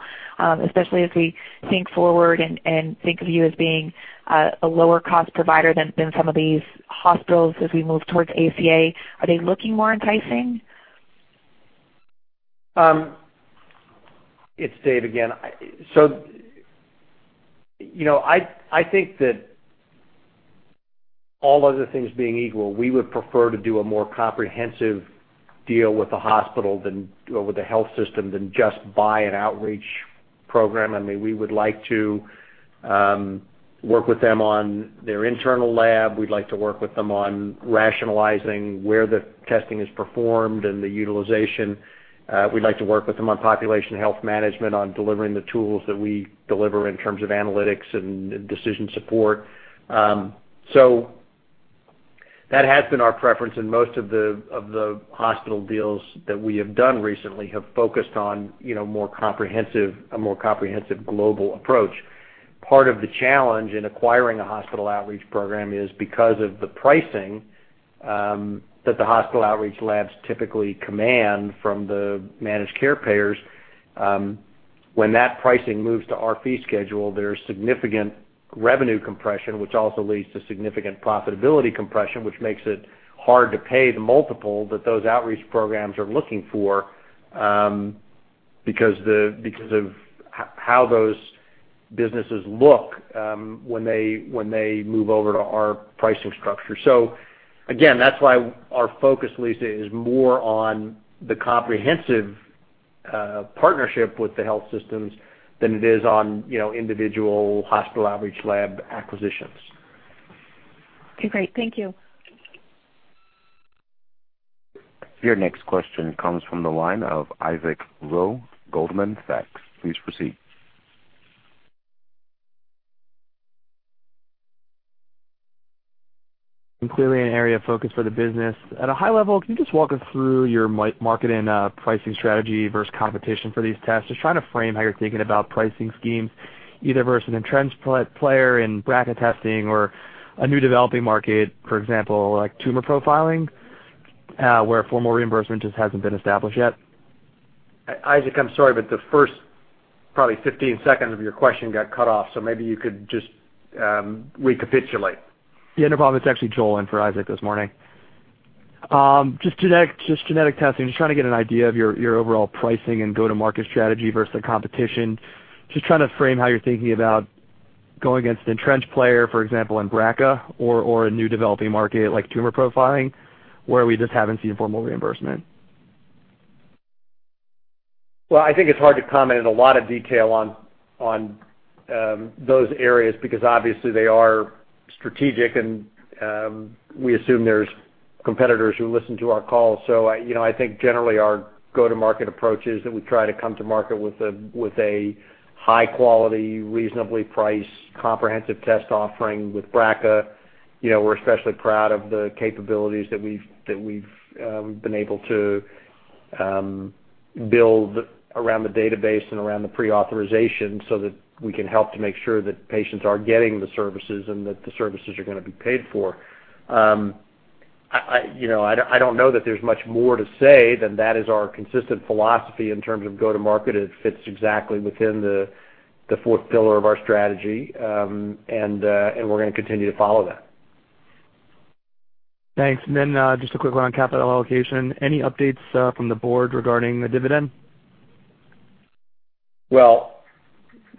especially as we think forward and think of you as being a lower-cost provider than some of these hospitals as we move towards ACA. Are they looking more enticing? It's Dave again. I think that all other things being equal, we would prefer to do a more comprehensive deal with the hospital or with the health system than just buy an outreach program. I mean, we would like to work with them on their internal lab. We'd like to work with them on rationalizing where the testing is performed and the utilization. We'd like to work with them on population health management, on delivering the tools that we deliver in terms of analytics and decision support. That has been our preference. Most of the hospital deals that we have done recently have focused on a more comprehensive global approach. Part of the challenge in acquiring a hospital outreach program is because of the pricing that the hospital outreach labs typically command from the managed care payers. When that pricing moves to our fee schedule, there is significant revenue compression, which also leads to significant profitability compression, which makes it hard to pay the multiple that those outreach programs are looking for because of how those businesses look when they move over to our pricing structure. Again, that's why our focus, Lisa, is more on the comprehensive partnership with the health systems than it is on individual hospital outreach lab acquisitions. Okay. Great. Thank you. Your next question comes from the line of Isaac Rowe, Goldman Sachs. Please proceed. Clearly an area of focus for the business. At a high level, can you just walk us through your marketing pricing strategy versus competition for these tests? Just trying to frame how you're thinking about pricing schemes either versus an intrinsic player in BRCA testing or a new developing market, for example, like tumor profiling, where formal reimbursement just hasn't been established yet? Isaac, I'm sorry, but the first probably 15 seconds of your question got cut off. Maybe you could just recapitulate. Yeah. No problem. It's actually Joel in for Isaac this morning. Just genetic testing. Just trying to get an idea of your overall pricing and go-to-market strategy versus the competition. Just trying to frame how you're thinking about going against an intrinsic player, for example, in BRCA or a new developing market like tumor profiling, where we just haven't seen formal reimbursement. I think it's hard to comment in a lot of detail on those areas because obviously, they are strategic, and we assume there's competitors who listen to our calls. I think generally, our go-to-market approach is that we try to come to market with a high-quality, reasonably priced, comprehensive test offering with BRCA. We're especially proud of the capabilities that we've been able to build around the database and around the pre-authorization so that we can help to make sure that patients are getting the services and that the services are going to be paid for. I don't know that there's much more to say than that is our consistent philosophy in terms of go-to-market. It fits exactly within the fourth pillar of our strategy. We're going to continue to follow that. Thanks. And then just a quick one on capital allocation. Any updates from the board regarding the dividend?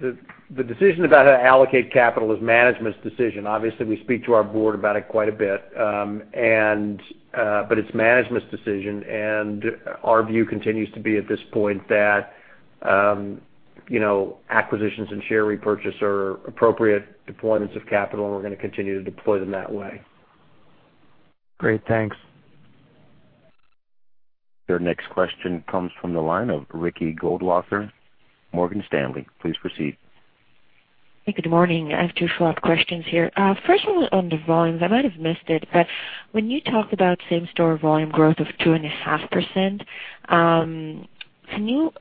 The decision about how to allocate capital is management's decision. Obviously, we speak to our board about it quite a bit. It is management's decision. Our view continues to be at this point that acquisitions and share repurchase are appropriate deployments of capital, and we are going to continue to deploy them that way. Great. Thanks. Your next question comes from the line of Ricky Goldwasser, Morgan Stanley. Please proceed. Hey, good morning. I have two follow-up questions here. First one on the volumes. I might have missed it. But when you talked about same-store volume growth of 2.5%, can you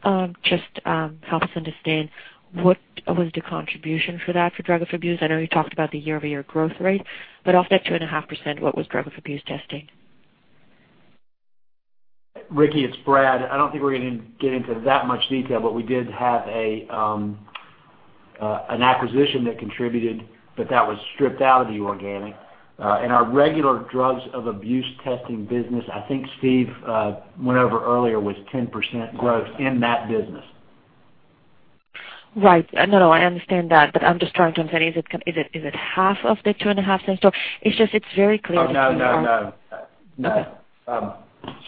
just help us understand what was the contribution for that for drug-of-abuse? I know you talked about the year-over-year growth rate. But off that 2.5%, what was drug-of-abuse testing? Ricky, it's Brad. I don't think we're going to get into that much detail, but we did have an acquisition that contributed, but that was stripped out of the organic. Our regular drugs of abuse testing business, I think Steve went over earlier, was 10% growth in that business. Right. No, no. I understand that. I'm just trying to understand. Is it half of the 2.5%? It is very clear that. Oh, no, no, no.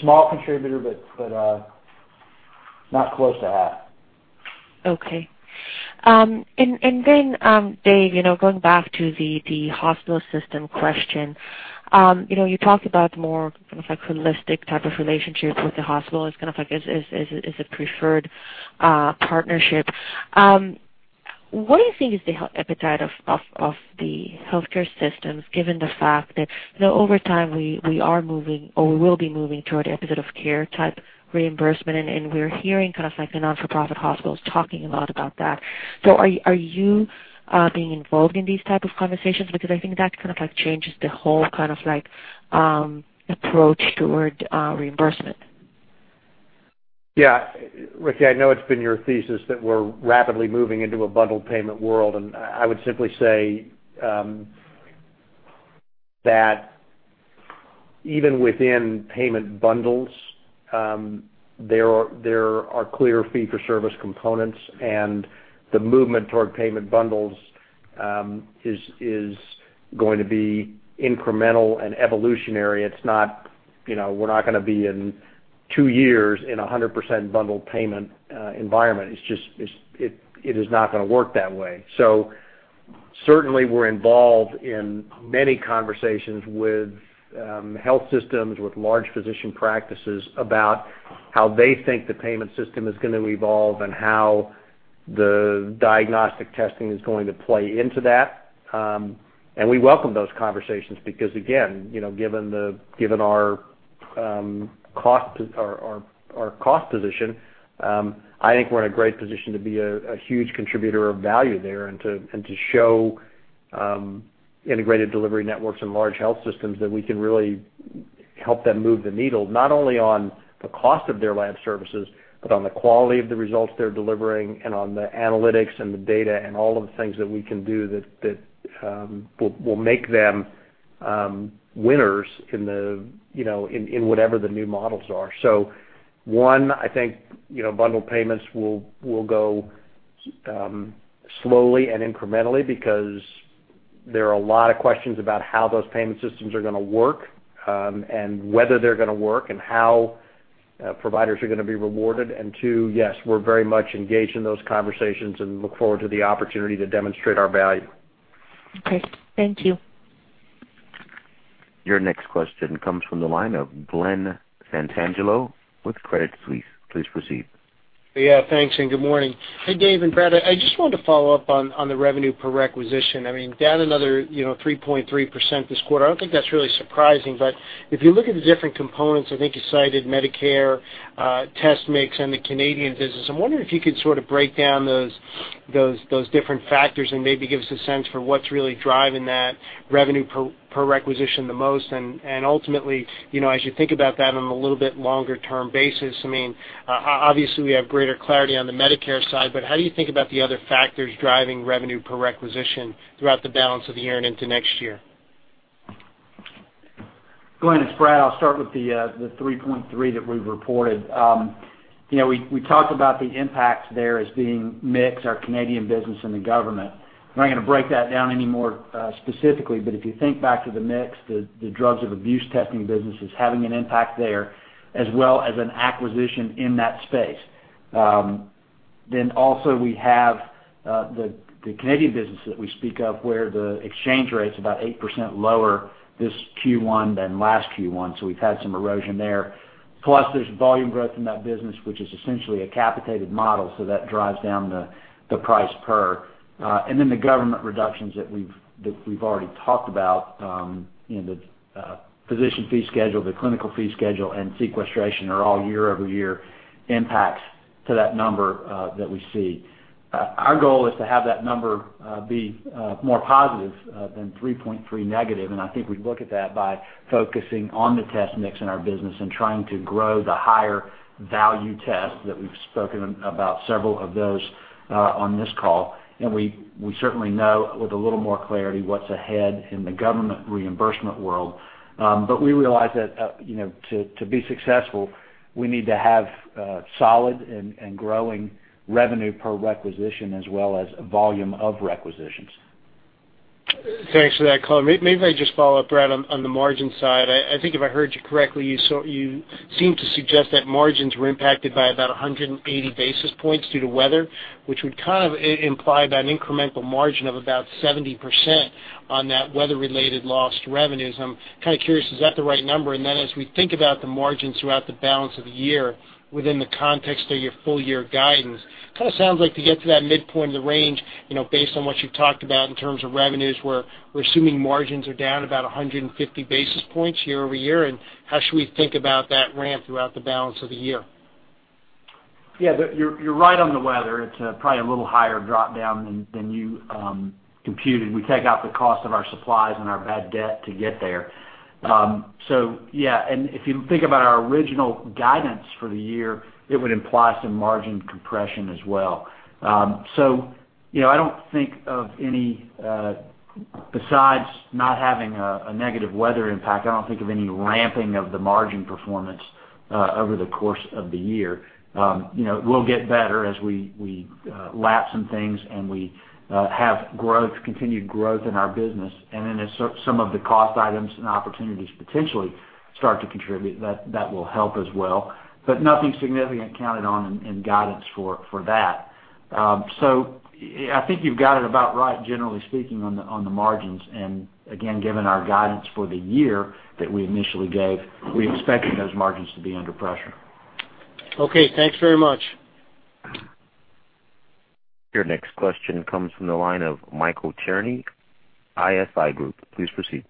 Small contributor, but not close to half. Okay. And then, Dave, going back to the hospital system question, you talked about more kind of like holistic type of relationship with the hospital as kind of like is a preferred partnership. What do you think is the appetite of the healthcare systems given the fact that over time, we are moving or we will be moving toward the episode-of-care type reimbursement? We're hearing kind of like the non-for-profit hospitals talking a lot about that. Are you being involved in these type of conversations? I think that kind of like changes the whole kind of like approach toward reimbursement. Yeah. Ricky, I know it's been your thesis that we're rapidly moving into a bundled payment world. I would simply say that even within payment bundles, there are clear fee-for-service components. The movement toward payment bundles is going to be incremental and evolutionary. We're not going to be in two years in a 100% bundled payment environment. It is not going to work that way. Certainly, we're involved in many conversations with health systems, with large physician practices about how they think the payment system is going to evolve and how the diagnostic testing is going to play into that. We welcome those conversations because, again, given our cost position, I think we're in a great position to be a huge contributor of value there and to show integrated delivery networks and large health systems that we can really help them move the needle not only on the cost of their lab services, but on the quality of the results they're delivering and on the analytics and the data and all of the things that we can do that will make them winners in whatever the new models are. One, I think bundled payments will go slowly and incrementally because there are a lot of questions about how those payment systems are going to work and whether they're going to work and how providers are going to be rewarded. Yes, we're very much engaged in those conversations and look forward to the opportunity to demonstrate our value. Okay. Thank you. Your next question comes from the line of Glen Santangelo with Credit Suisse. Please proceed. Yeah. Thanks. And good morning. Hey, Dave and Brad. I just wanted to follow up on the revenue per requisition. I mean, down another 3.3% this quarter. I do not think that is really surprising. If you look at the different components, I think you cited Medicare, TestMix, and the Canadian business. I am wondering if you could sort of break down those different factors and maybe give us a sense for what is really driving that revenue per requisition the most. Ultimately, as you think about that on a little bit longer-term basis, I mean, obviously, we have greater clarity on the Medicare side. How do you think about the other factors driving revenue per requisition throughout the balance of the year and into next year? Glenn, it's Brad. I'll start with the 3.3 that we've reported. We talked about the impact there as being MIX, our Canadian business, and the government. I'm not going to break that down any more specifically. If you think back to the MIX, the drugs-of-abuse testing business is having an impact there as well as an acquisition in that space. We also have the Canadian business that we speak of where the exchange rate's about 8% lower this Q1 than last Q1. We've had some erosion there. Plus, there's volume growth in that business, which is essentially a capitated model. That drives down the price per. The government reductions that we've already talked about, the physician fee schedule, the clinical fee schedule, and sequestration are all year-over-year impacts to that number that we see. Our goal is to have that number be more positive than 3.3 negative. I think we'd look at that by focusing on the TestMix in our business and trying to grow the higher-value tests that we've spoken about, several of those on this call. We certainly know with a little more clarity what's ahead in the government reimbursement world. We realize that to be successful, we need to have solid and growing revenue per requisition as well as volume of requisitions. Thanks for that, Colin. Maybe I just follow up, Brad, on the margin side. I think if I heard you correctly, you seem to suggest that margins were impacted by about 180 basis points due to weather, which would kind of imply about an incremental margin of about 70% on that weather-related lost revenues. I'm kind of curious, is that the right number? As we think about the margins throughout the balance of the year within the context of your full-year guidance, it kind of sounds like to get to that midpoint of the range based on what you've talked about in terms of revenues where we're assuming margins are down about 150 basis points year-over-year. How should we think about that ramp throughout the balance of the year? Yeah. You're right on the weather. It's probably a little higher drop down than you computed. We take out the cost of our supplies and our bad debt to get there. So yeah. And if you think about our original guidance for the year, it would imply some margin compression as well. So I don't think of any besides not having a negative weather impact, I don't think of any ramping of the margin performance over the course of the year. It will get better as we lapse some things and we have continued growth in our business. And then as some of the cost items and opportunities potentially start to contribute, that will help as well. But nothing significant counted on in guidance for that. So I think you've got it about right, generally speaking, on the margins. Given our guidance for the year that we initially gave, we expected those margins to be under pressure. Okay. Thanks very much. Your next question comes from the line of Michael Cherny, ISI Group. Please proceed.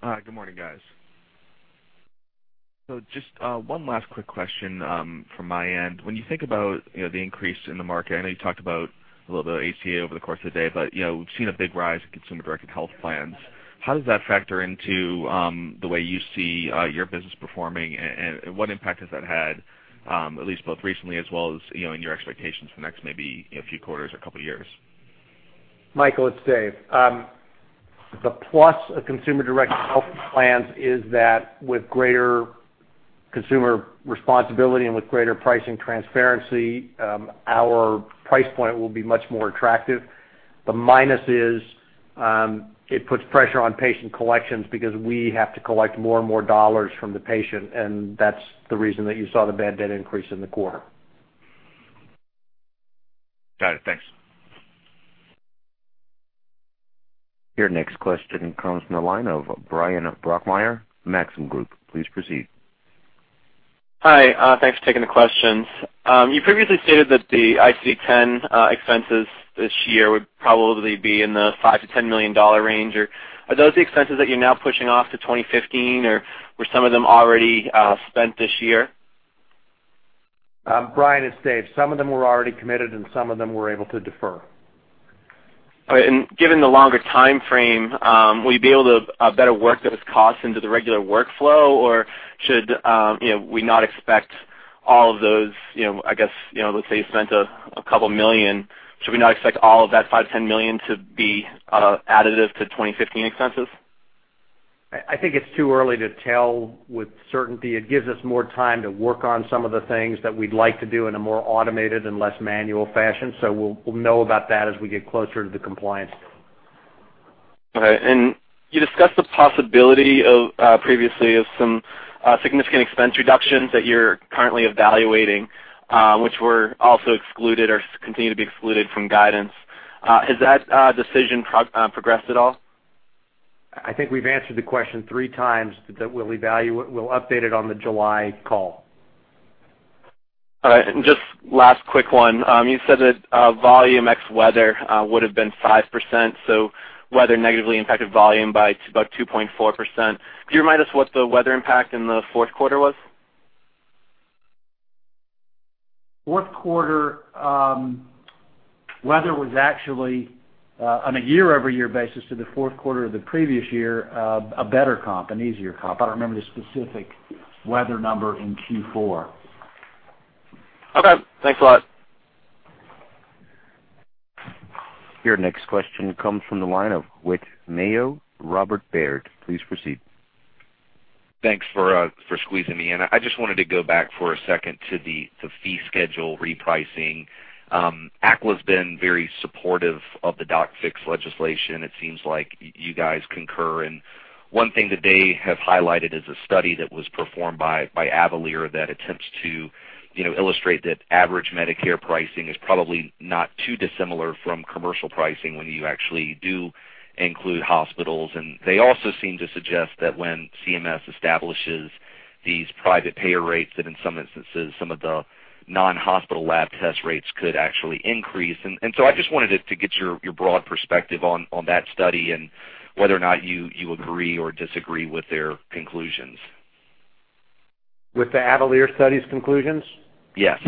Hi. Good morning, guys. So just one last quick question from my end. When you think about the increase in the market, I know you talked about a little bit of ACA over the course of the day, but we've seen a big rise in consumer-directed health plans. How does that factor into the way you see your business performing? And what impact has that had, at least both recently as well as in your expectations for the next maybe a few quarters or a couple of years? Michael, it's Dave. The plus of consumer-directed health plans is that with greater consumer responsibility and with greater pricing transparency, our price point will be much more attractive. The minus is it puts pressure on patient collections because we have to collect more and more dollars from the patient. And that's the reason that you saw the bad debt increase in the quarter. Got it. Thanks. Your next question comes from the line of Brian Brockmeyer, Maxim Group. Please proceed. Hi. Thanks for taking the questions. You previously stated that the ICD-10 expenses this year would probably be in the 5 to 10 million dollar range. Are those the expenses that you're now pushing off to 2015, or were some of them already spent this year? Brian, it's Dave. Some of them were already committed, and some of them were able to defer. All right. And given the longer time frame, will you be able to better work those costs into the regular workflow, or should we not expect all of those? I guess, let's say you spent a couple of million. Should we not expect all of that 5 to 10 million to be additive to 2015 expenses? I think it's too early to tell with certainty. It gives us more time to work on some of the things that we'd like to do in a more automated and less manual fashion. We will know about that as we get closer to the compliance. Okay. And you discussed the possibility previously of some significant expense reductions that you're currently evaluating, which were also excluded or continue to be excluded from guidance. Has that decision progressed at all? I think we've answered the question three times that we'll update it on the July call. All right. And just last quick one. You said that volume ex weather would have been 5%. So weather negatively impacted volume by about 2.4%. Could you remind us what the weather impact in the fourth quarter was? Fourth quarter weather was actually, on a year-over-year basis to the fourth quarter of the previous year, a better comp, an easier comp. I don't remember the specific weather number in Q4. Okay. Thanks a lot. Your next question comes from the line of Wick Mayo, Robert Baird. Please proceed. Thanks for squeezing me in. I just wanted to go back for a second to the fee schedule repricing. ACLA's been very supportive of the DocFix legislation. It seems like you guys concur. One thing that they have highlighted is a study that was performed by Avalir that attempts to illustrate that average Medicare pricing is probably not too dissimilar from commercial pricing when you actually do include hospitals. They also seem to suggest that when CMS establishes these private payer rates, that in some instances, some of the non-hospital lab test rates could actually increase. I just wanted to get your broad perspective on that study and whether or not you agree or disagree with their conclusions. With the Avalir study's conclusions? Yes.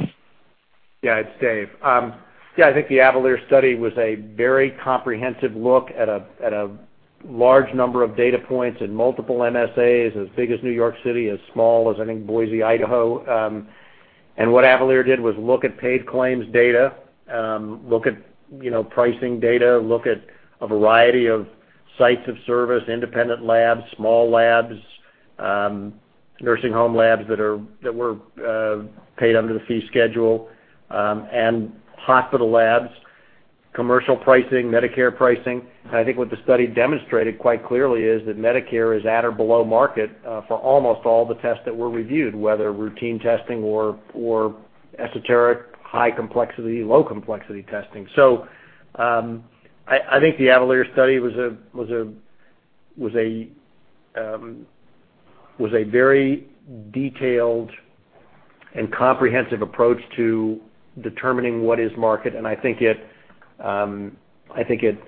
Yeah. It's Dave. Yeah. I think the Avalir study was a very comprehensive look at a large number of data points and multiple MSAs, as big as New York City, as small as, I think, Boise, Idaho. And what Avalir did was look at paid claims data, look at pricing data, look at a variety of sites of service, independent labs, small labs, nursing home labs that were paid under the fee schedule, and hospital labs, commercial pricing, Medicare pricing. And I think what the study demonstrated quite clearly is that Medicare is at or below market for almost all the tests that were reviewed, whether routine testing or esoteric, high-complexity, low-complexity testing. So I think the Avalir study was a very detailed and comprehensive approach to determining what is market. I think it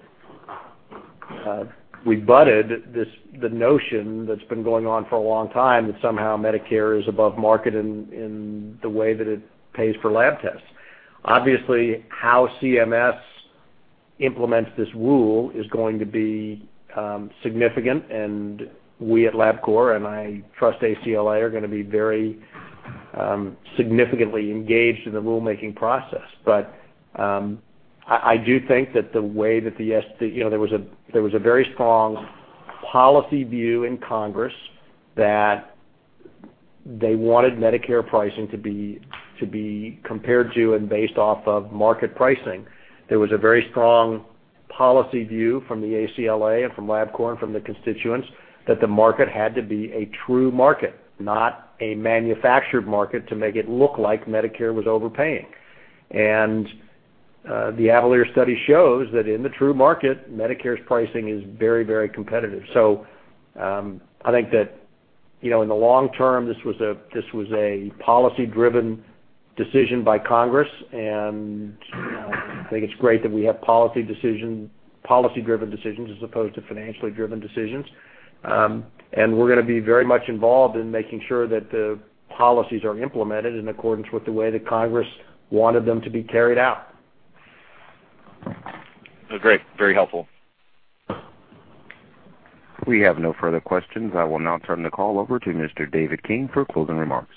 rebutted the notion that's been going on for a long time that somehow Medicare is above market in the way that it pays for lab tests. Obviously, how CMS implements this rule is going to be significant. We at Labcorp, and I trust ACLA, are going to be very significantly engaged in the rulemaking process. I do think that there was a very strong policy view in Congress that they wanted Medicare pricing to be compared to and based off of market pricing. There was a very strong policy view from the ACLA and from Labcorp and from the constituents that the market had to be a true market, not a manufactured market, to make it look like Medicare was overpaying. The Avalir study shows that in the true market, Medicare's pricing is very, very competitive. So I think that in the long term, this was a policy-driven decision by Congress. And I think it's great that we have policy-driven decisions as opposed to financially-driven decisions. And we're going to be very much involved in making sure that the policies are implemented in accordance with the way that Congress wanted them to be carried out. Great. Very helpful. We have no further questions. I will now turn the call over to Mr. David King for closing remarks.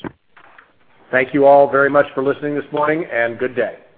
Thank you all very much for listening this morning. Good day.